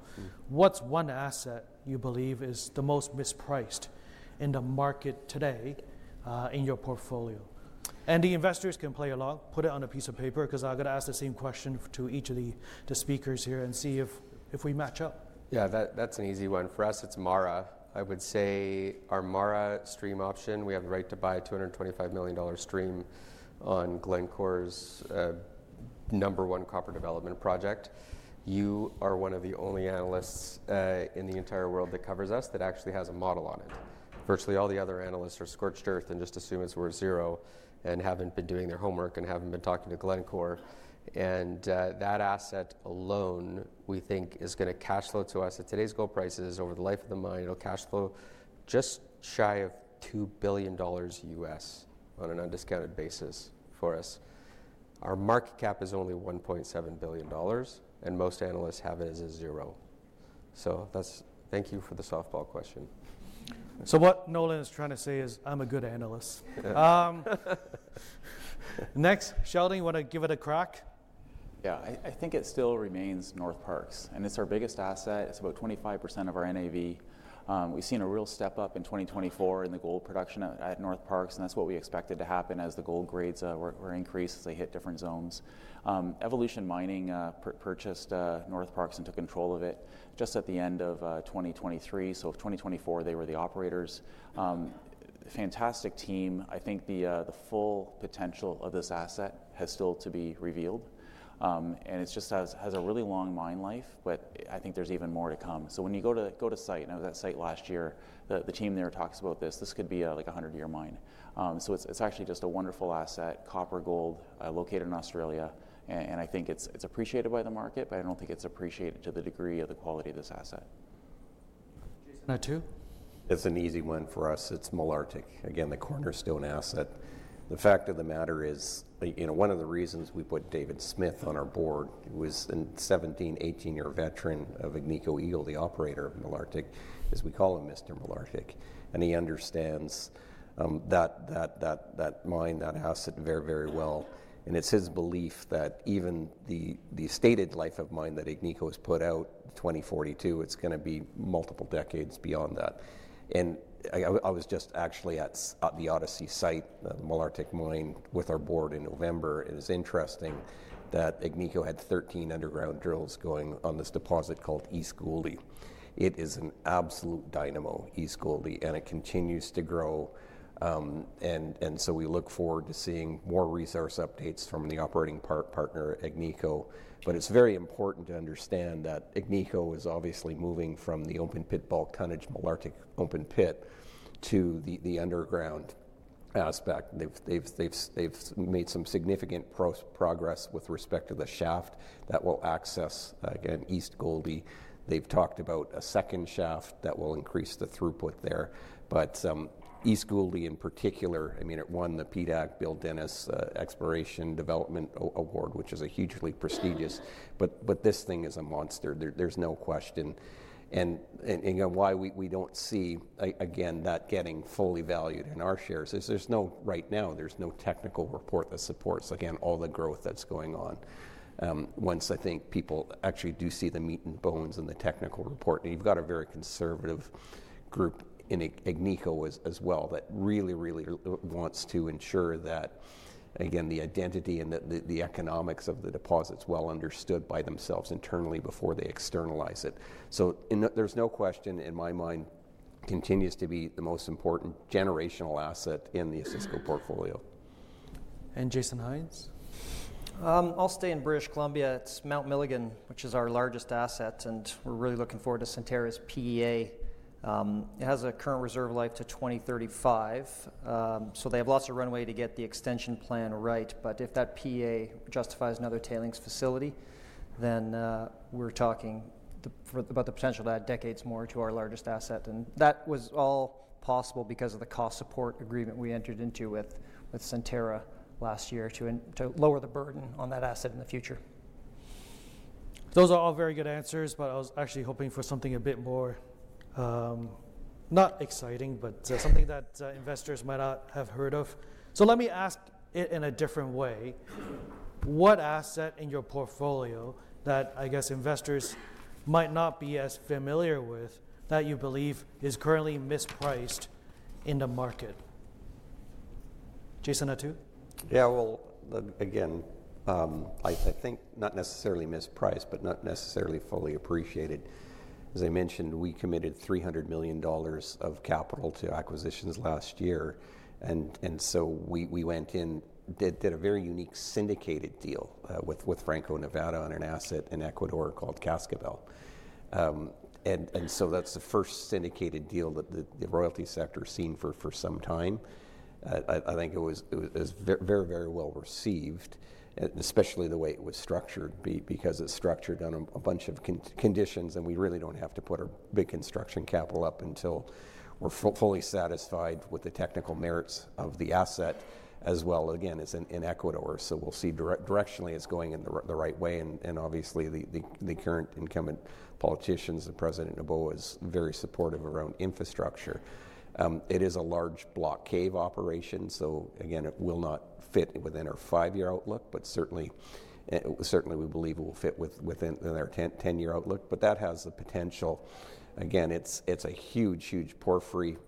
What's one asset you believe is the most mispriced in the market today in your portfolio? And the investors can play along, put it on a piece of paper, because I've got to ask the same question to each of the speakers here and see if we match up. Yeah, that's an easy one. For us, it's MARA. I would say our MARA stream option, we have the right to buy a $225 million stream on Glencore's number one copper development project. You are one of the only analysts in the entire world that covers us that actually has a model on it. Virtually all the other analysts are scorched earth and just assume it's worth zero and haven't been doing their homework and haven't been talking to Glencore. And that asset alone, we think, is going to cash flow to us at today's gold prices over the life of the mine. It'll cash flow just shy of $2 billion U.S. on an undiscounted basis for us. Our market cap is only $1.7 billion, and most analysts have it as a zero. So thank you for the softball question. So what Nolan is trying to say is, I'm a good analyst. Next, Sheldon, you want to give it a crack? Yeah, I think it still remains Northparkes. And it's our biggest asset. It's about 25% of our NAV. We've seen a real step up in 2024 in the gold production at Northparkes. And that's what we expected to happen as the gold grades were increased as they hit different zones. Evolution Mining purchased Northparkes and took control of it just at the end of 2023. So in 2024, they were the operators. Fantastic team. I think the full potential of this asset has still to be revealed. And it just has a really long mine life. But I think there's even more to come. So when you go to site, and I was at site last year, the team there talks about this. This could be like a 100-year mine. So it's actually just a wonderful asset, copper, gold, located in Australia. I think it's appreciated by the market, but I don't think it's appreciated to the degree of the quality of this asset. Jason Attew? It's an easy one for us. It's Malartic. Again, the cornerstone asset. The fact of the matter is one of the reasons we put David Smith on our board was a 17, 18-year veteran of Agnico Eagle, the operator of Malartic, as we call him, Mr. Malartic. And he understands that mine, that asset very, very well. And it's his belief that even the stated life of mine that Agnico has put out in 2042, it's going to be multiple decades beyond that. And I was just actually at the Odyssey site, the Malartic mine with our board in November. It is interesting that Agnico had 13 underground drills going on this deposit called East Gouldie. It is an absolute dynamo, East Gouldie, and it continues to grow. And so we look forward to seeing more resource updates from the operating partner, Agnico. It's very important to understand that Agnico is obviously moving from the open pit at Canadian Malartic open pit to the underground aspect. They've made some significant progress with respect to the shaft that will access, again, East Gouldie. They've talked about a second shaft that will increase the throughput there. But East Gouldie, in particular, I mean, it won the PDAC Bill Dennis Award, which is hugely prestigious. But this thing is a monster. There's no question. And why we don't see, again, that getting fully valued in our shares is there's no right now, there's no technical report that supports, again, all the growth that's going on. Once I think people actually do see the meat and bones and the technical report. You've got a very conservative group in Agnico as well that really, really wants to ensure that, again, the identity and the economics of the deposit's well understood by themselves internally before they externalize it. So there's no question in my mind continues to be the most important generational asset in the Agnico portfolio. And Jason Hynes? I'll stay in British Columbia. It's Mount Milligan, which is our largest asset, and we're really looking forward to Centerra's PEA. It has a current reserve life to 2035, so they have lots of runway to get the extension plan right, but if that PEA justifies another tailings facility, then we're talking about the potential to add decades more to our largest asset, and that was all possible because of the cost support agreement we entered into with Centerra last year to lower the burden on that asset in the future. Those are all very good answers. But I was actually hoping for something a bit more not exciting, but something that investors might not have heard of. So let me ask it in a different way. What asset in your portfolio that I guess investors might not be as familiar with that you believe is currently mispriced in the market? Jason Attew? Yeah, well, again, I think not necessarily mispriced, but not necessarily fully appreciated. As I mentioned, we committed $300 million of capital to acquisitions last year. We went in and did a very unique syndicated deal with Franco-Nevada on an asset in Ecuador called Cascabel. That's the first syndicated deal that the royalty sector has seen for some time. I think it was very, very well received, especially the way it was structured, because it's structured on a bunch of conditions. We really don't have to put our big construction capital up until we're fully satisfied with the technical merits of the asset, as well, again, as in Ecuador. We'll see. Directionally it's going in the right way. Obviously, the current incumbent politicians, President Noboa, is very supportive around infrastructure. It is a large block cave operation. So again, it will not fit within our five-year outlook. But certainly, we believe it will fit within our 10-year outlook. But that has the potential. Again, it's a huge, huge porphyry.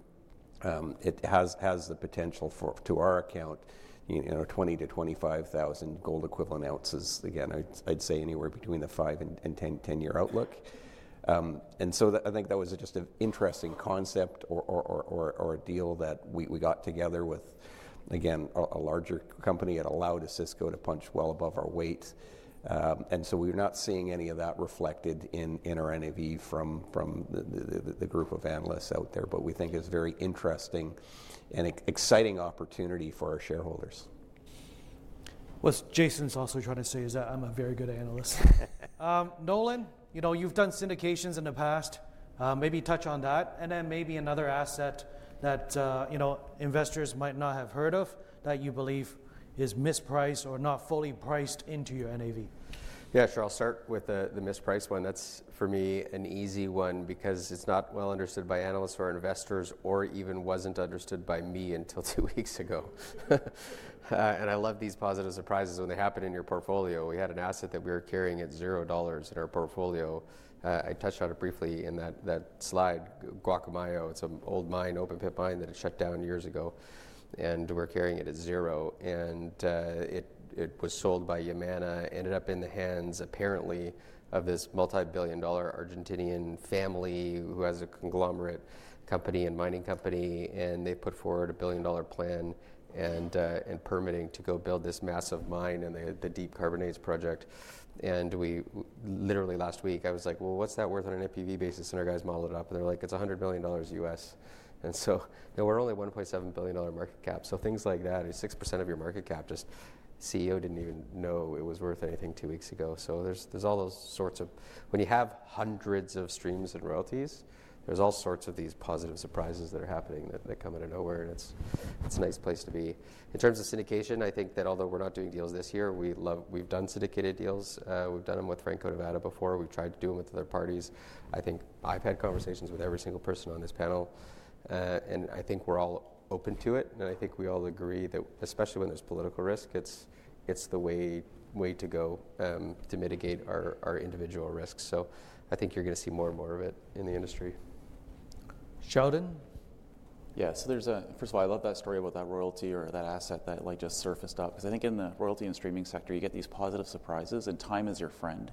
It has the potential to our account, 20,000-25,000 gold equivalent ounces. Again, I'd say anywhere between the five and 10-year outlook. And so I think that was just an interesting concept or a deal that we got together with, again, a larger company. It allowed Osisko to punch well above our weight. And so we're not seeing any of that reflected in our NAV from the group of analysts out there. But we think it's a very interesting and exciting opportunity for our shareholders. What Jason's also trying to say is that I'm a very good analyst. Nolan, you've done syndications in the past. Maybe touch on that. And then maybe another asset that investors might not have heard of that you believe is mispriced or not fully priced into your NAV. Yeah, sure. I'll start with the mispriced one. That's, for me, an easy one because it's not well understood by analysts or investors or even wasn't understood by me until two weeks ago. And I love these positive surprises when they happen in your portfolio. We had an asset that we were carrying at $0 in our portfolio. I touched on it briefly in that slide, Gualcamayo. It's an old mine, open pit mine that had shut down years ago. And we're carrying it at zero. And it was sold by Yamana. Ended up in the hands, apparently, of this multi-billion dollar Argentine family who has a conglomerate company and mining company. And they put forward a $1 billion plan and permitting to go build this massive mine and the Deep Carbonates Project. And literally last week, I was like, well, what's that worth on an NPV basis? Our guys modeled it up. And they're like, it's $100 million. And so we're only $1.7 billion market cap. So things like that is 6% of your market cap. Just CEO didn't even know it was worth anything two weeks ago. So there's all those sorts of when you have hundreds of streams and royalties, there's all sorts of these positive surprises that are happening that come out of nowhere. And it's a nice place to be. In terms of syndication, I think that although we're not doing deals this year, we've done syndicated deals. We've done them with Franco-Nevada before. We've tried to do them with other parties. I think I've had conversations with every single person on this panel. And I think we're all open to it. And I think we all agree that especially when there's political risk, it's the way to go to mitigate our individual risks. So I think you're going to see more and more of it in the industry. Sheldon? Yeah, so there's a first of all, I love that story about that royalty or that asset that just surfaced up. Because I think in the royalty and streaming sector, you get these positive surprises. Time is your friend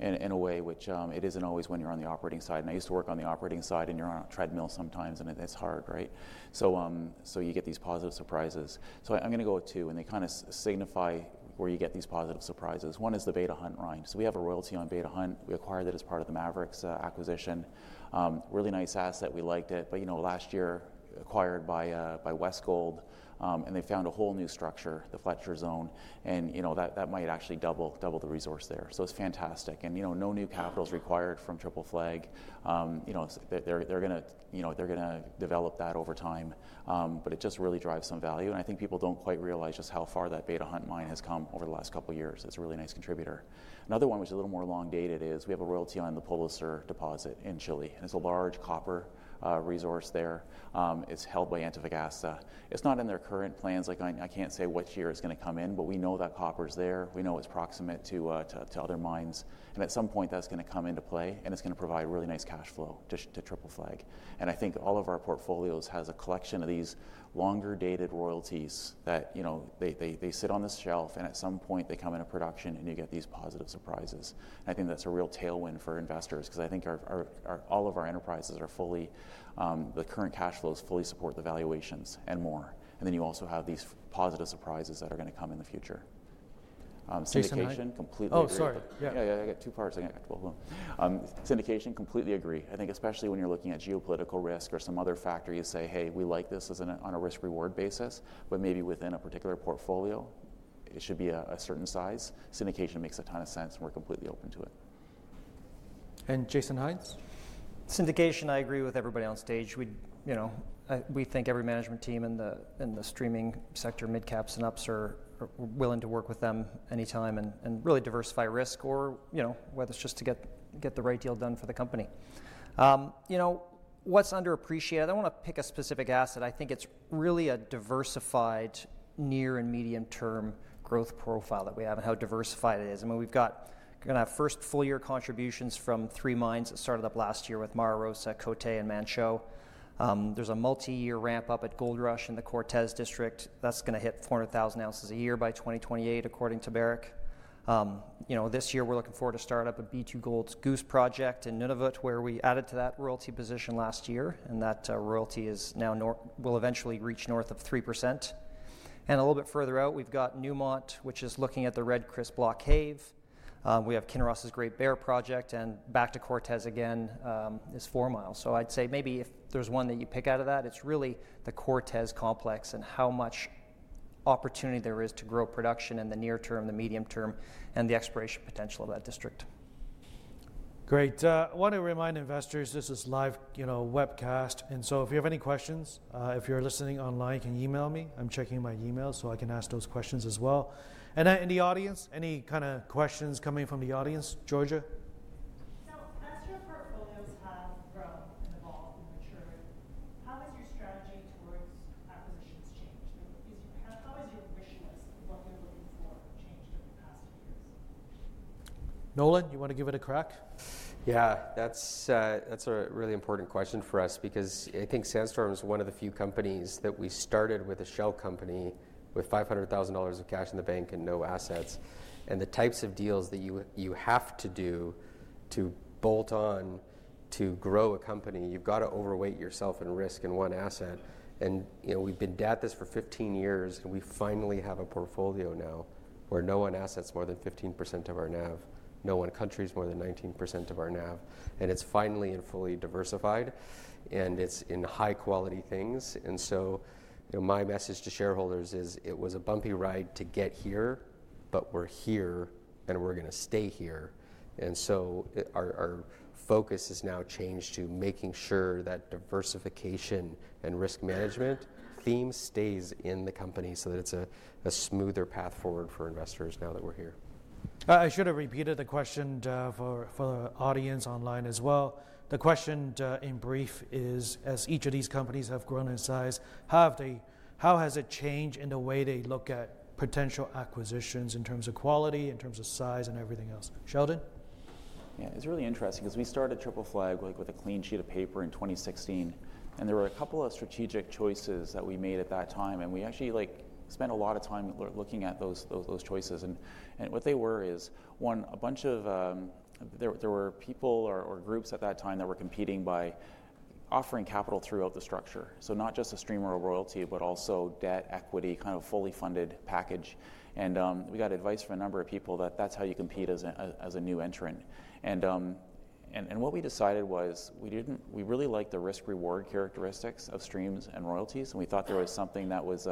in a way, which it isn't always when you're on the operating side. I used to work on the operating side. You're on a treadmill sometimes. It's hard, right? You get these positive surprises. I'm going to go with two. They kind of signify where you get these positive surprises. One is the Beta Hunt mine. We have a royalty on Beta Hunt. We acquired it as part of the Maverix acquisition. Really nice asset. We liked it. But last year, acquired by Westgold. They found a whole new structure, the Fletcher Zone. That might actually double the resource there. It's fantastic. No new capital is required from Triple Flag. They're going to develop that over time. But it just really drives some value. I think people don't quite realize just how far that Beta Hunt mine has come over the last couple of years. It's a really nice contributor. Another one, which is a little more long dated, is we have a royalty on the Polo Sur deposit in Chile. It's a large copper resource there. It's held by Antofagasta. It's not in their current plans. I can't say what year it's going to come in. But we know that copper's there. We know it's proximate to other mines. At some point, that's going to come into play. It's going to provide really nice cash flow to Triple Flag. And I think all of our portfolios have a collection of these longer-dated royalties that sit on the shelf. And at some point, they come into production. And you get these positive surprises. And I think that's a real tailwind for investors. Because I think all of our enterprises, the current cash flows fully support the valuations and more. And then you also have these positive surprises that are going to come in the future. Syndication? Syndication, completely agree. Oh, sorry. Yeah, yeah, yeah. I got two parts. Syndication, completely agree. I think especially when you're looking at geopolitical risk or some other factor, you say, hey, we like this on a risk-reward basis. But maybe within a particular portfolio, it should be a certain size. Syndication makes a ton of sense. And we're completely open to it. And Jason Hynes? Syndication, I agree with everybody on stage. We think every management team in the streaming sector, mid caps and ups, are willing to work with them any time and really diversify risk or whether it's just to get the right deal done for the company. What's underappreciated? I don't want to pick a specific asset. I think it's really a diversified near and medium term growth profile that we have and how diversified it is. I mean, we've got going to have first full year contributions from three mines that started up last year with Mara Rosa, Côté, and Manh Choh. There's a multi-year ramp up at Goldrush in the Cortez District. That's going to hit 400,000 ounces a year by 2028, according to Barrick. This year, we're looking forward to startup a B2Gold's Goose Project in Nunavut, where we added to that royalty position last year. That royalty is now and will eventually reach north of 3%. A little bit further out, we've got Newmont, which is looking at the Red Chris Block Cave. We have Kinross's Great Bear Project. Back to Cortez again is Fourmile. So I'd say maybe if there's one that you pick out of that, it's really the Cortez complex and how much opportunity there is to grow production in the near term, the medium term, and the exploration potential of that district. Great. I want to remind investors, this is live webcast. And so if you have any questions, if you're listening online, you can email me. I'm checking my email so I can ask those questions as well. And in the audience, any kind of questions coming from the audience? Georgia? As your portfolios have grown and evolved and matured, how has your strategy towards acquisitions changed? How has your wish list of what you're looking for changed over the past two years? Nolan, you want to give it a crack? Yeah, that's a really important question for us. Because I think Sandstorm is one of the few companies that we started with a shell company with $500,000 of cash in the bank and no assets. And the types of deals that you have to do to bolt on to grow a company, you've got to overweight yourself in risk in one asset. And we've been at this for 15 years. And we finally have a portfolio now where no one assets more than 15% of our NAV, no one countries more than 19% of our NAV. And it's finally and fully diversified. And it's in high quality things. And so my message to shareholders is it was a bumpy ride to get here. But we're here. And we're going to stay here. And so our focus has now changed to making sure that diversification and risk management theme stays in the company so that it's a smoother path forward for investors now that we're here. I should have repeated the question for the audience online as well. The question in brief is, as each of these companies have grown in size, how has it changed in the way they look at potential acquisitions in terms of quality, in terms of size, and everything else? Sheldon? Yeah, it's really interesting. Because we started Triple Flag with a clean sheet of paper in 2016. And there were a couple of strategic choices that we made at that time. And we actually spent a lot of time looking at those choices. And what they were is, one, a bunch of people or groups at that time that were competing by offering capital throughout the structure. So not just a stream or a royalty, but also debt, equity, kind of fully funded package. And we got advice from a number of people that that's how you compete as a new entrant. And we decided we really liked the risk-reward characteristics of streams and royalties. And we thought there was something that was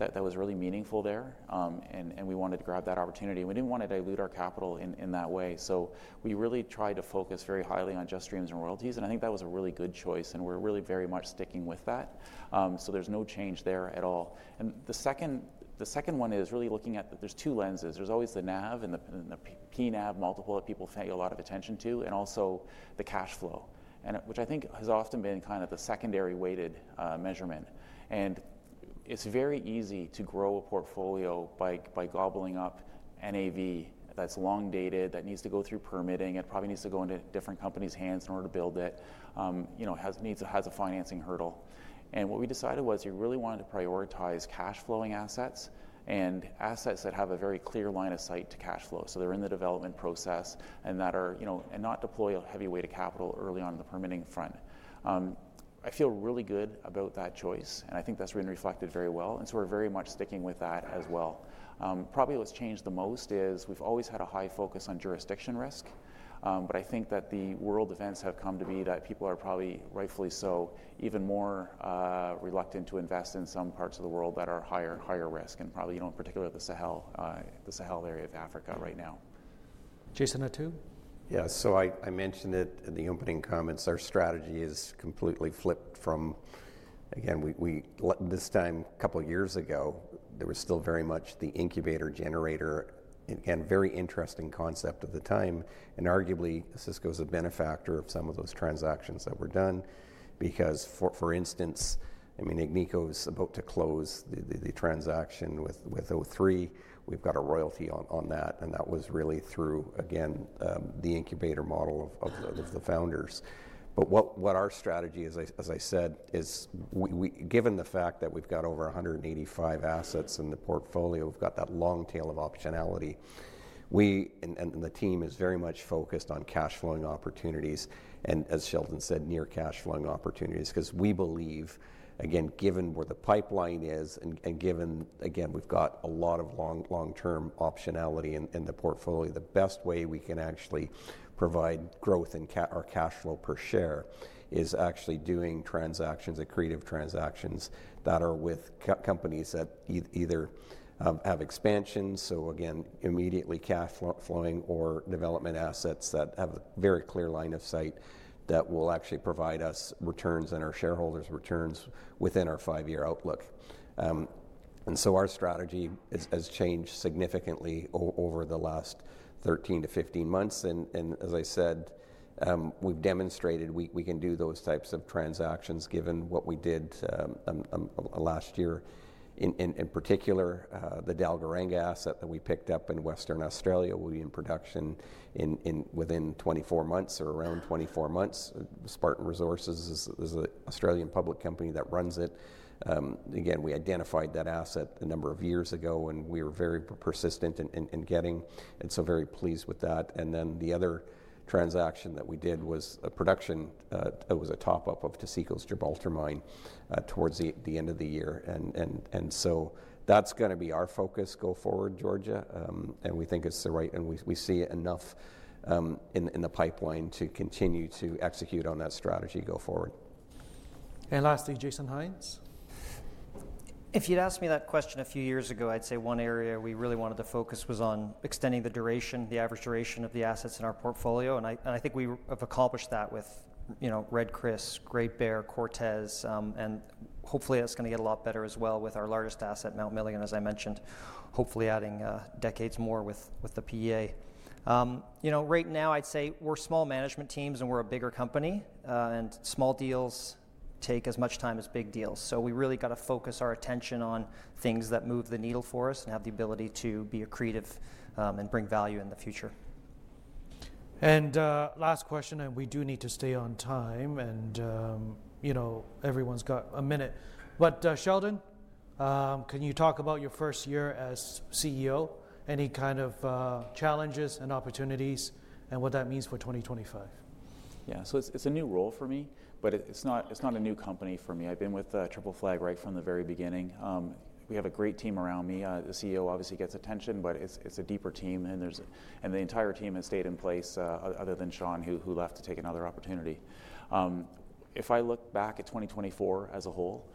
really meaningful there. And we wanted to grab that opportunity. And we didn't want to dilute our capital in that way. So we really tried to focus very highly on just streams and royalties. And I think that was a really good choice. And we're really very much sticking with that. So there's no change there at all. And the second one is really looking at there's two lenses. There's always the NAV and the PNAV multiple that people pay a lot of attention to, and also the cash flow, which I think has often been kind of the secondary weighted measurement. And it's very easy to grow a portfolio by gobbling up NAV that's long dated, that needs to go through permitting, and probably needs to go into different companies' hands in order to build it, has a financing hurdle. And what we decided was you really wanted to prioritize cash flowing assets and assets that have a very clear line of sight to cash flow. So they're in the development process and not deploy a heavy weight of capital early on in the permitting front. I feel really good about that choice, and I think that's been reflected very well, and so we're very much sticking with that as well. Probably what's changed the most is we've always had a high focus on jurisdiction risk, but I think that the world events have come to be that people are probably, rightfully so, even more reluctant to invest in some parts of the world that are higher risk, and probably in particular the Sahel area of Africa right now. Jason Attew? Yeah, so I mentioned it in the opening comments. Our strategy is completely flipped from again, this time, a couple of years ago, there was still very much the incubator generator, again, very interesting concept at the time. And arguably, Osisko's a benefactor of some of those transactions that were done. Because, for instance, I mean, Agnico's about to close the transaction with O3. We've got a royalty on that. And that was really through, again, the incubator model of the founders. But what our strategy is, as I said, is given the fact that we've got over 185 assets in the portfolio, we've got that long tail of optionality. And the team is very much focused on cash flowing opportunities and, as Sheldon said, near cash flowing opportunities. Because we believe, again, given where the pipeline is and given, again, we've got a lot of long term optionality in the portfolio, the best way we can actually provide growth in our cash flow per share is actually doing transactions, creative transactions that are with companies that either have expansions, so again, immediately cash flowing, or development assets that have a very clear line of sight that will actually provide us returns and our shareholders' returns within our five year outlook. And so our strategy has changed significantly over the last 13-15 months. And as I said, we've demonstrated we can do those types of transactions given what we did last year. In particular, the Dalgaranga asset that we picked up in Western Australia will be in production within 24 months or around 24 months. Spartan Resources is an Australian public company that runs it. Again, we identified that asset a number of years ago. And we were very persistent in getting. And so very pleased with that. And then the other transaction that we did was a production. It was a top up of Taseko's Gibraltar Mine towards the end of the year. And so that's going to be our focus go forward, Georgia. And we think it's the right and we see enough in the pipeline to continue to execute on that strategy go forward. Lastly, Jason Hynes? If you'd asked me that question a few years ago, I'd say one area we really wanted to focus was on extending the duration, the average duration of the assets in our portfolio. And I think we have accomplished that with Red Chris, Great Bear, Cortez. And hopefully, that's going to get a lot better as well with our largest asset, Mount Milligan, as I mentioned, hopefully adding decades more with the PEA. Right now, I'd say we're small management teams. And we're a bigger company. And small deals take as much time as big deals. So we really got to focus our attention on things that move the needle for us and have the ability to be creative and bring value in the future. And last question. And we do need to stay on time. And everyone's got a minute. But Sheldon, can you talk about your first year as CEO? Any kind of challenges and opportunities and what that means for 2025? Yeah, so it's a new role for me. But it's not a new company for me. I've been with Triple Flag right from the very beginning. We have a great team around me. The CEO obviously gets attention. But it's a deeper team. And the entire team has stayed in place other than Shaun, who left to take another opportunity. If I look back at 2024 as a whole,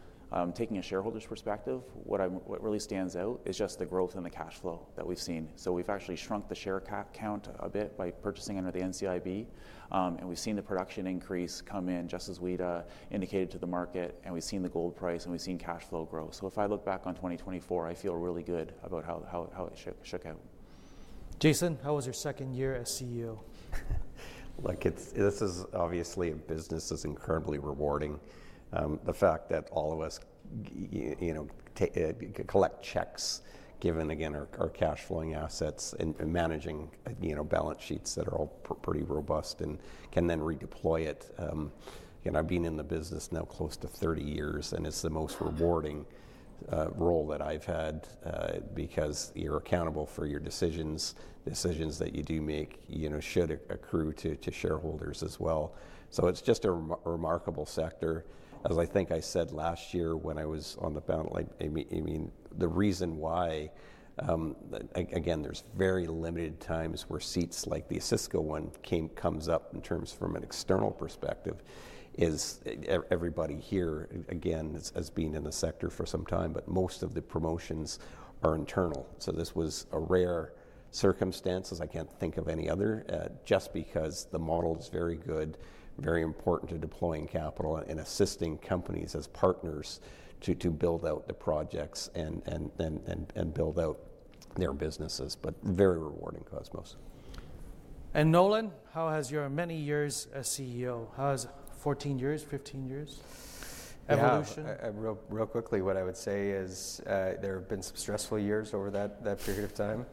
taking a shareholder's perspective, what really stands out is just the growth in the cash flow that we've seen. So we've actually shrunk the share count a bit by purchasing under the NCIB. And we've seen the production increase come in just as we'd indicated to the market. And we've seen the gold price. And we've seen cash flow grow. So if I look back on 2024, I feel really good about how it shook out. Jason, how was your second year as CEO? This is obviously a business that's incredibly rewarding. The fact that all of us collect checks given, again, our cash flowing assets and managing balance sheets that are all pretty robust and can then redeploy it. I've been in the business now close to 30 years. It's the most rewarding role that I've had. Because you're accountable for your decisions. Decisions that you do make should accrue to shareholders as well. So it's just a remarkable sector. As I think I said last year when I was on the podium, I mean, the reason why, again, there's very limited times where seats like the Osisko one comes up in terms from an external perspective is everybody here, again, has been in the sector for some time. But most of the promotions are internal. So this was a rare circumstance, as I can't think of any other, just because the model is very good, very important to deploying capital and assisting companies as partners to build out the projects and build out their businesses. But very rewarding, Cosmos. Nolan, how has your many years as CEO, how has 14 years, 15 years, evolution? Real quickly, what I would say is there have been some stressful years over that period of time.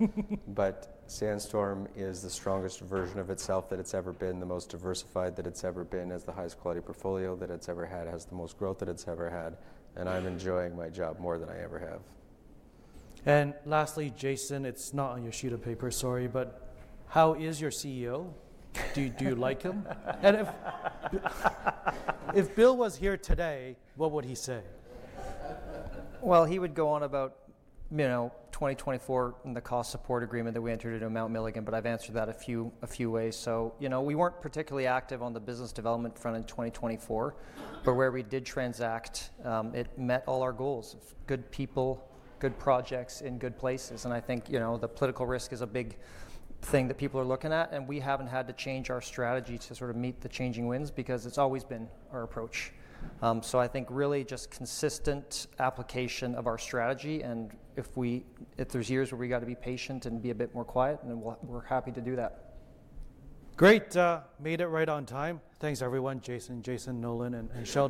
But Sandstorm is the strongest version of itself that it's ever been, the most diversified that it's ever been, has the highest quality portfolio that it's ever had, has the most growth that it's ever had. And I'm enjoying my job more than I ever have. And lastly, Jason, it's not on your sheet of paper, sorry. But how is your CEO? Do you like him? If Bill was here today, what would he say? He would go on about 2024 and the copper stream agreement that we entered into Mount Milligan. I've answered that a few ways. We weren't particularly active on the business development front in 2024. Where we did transact, it met all our goals of good people, good projects, and good places. I think the political risk is a big thing that people are looking at. We haven't had to change our strategy to sort of meet the changing winds. It's always been our approach. I think really just consistent application of our strategy. If there's years where we've got to be patient and be a bit more quiet, then we're happy to do that. Great. Made it right on time. Thanks, everyone, Jason, Jason, Nolan, and Sheldon.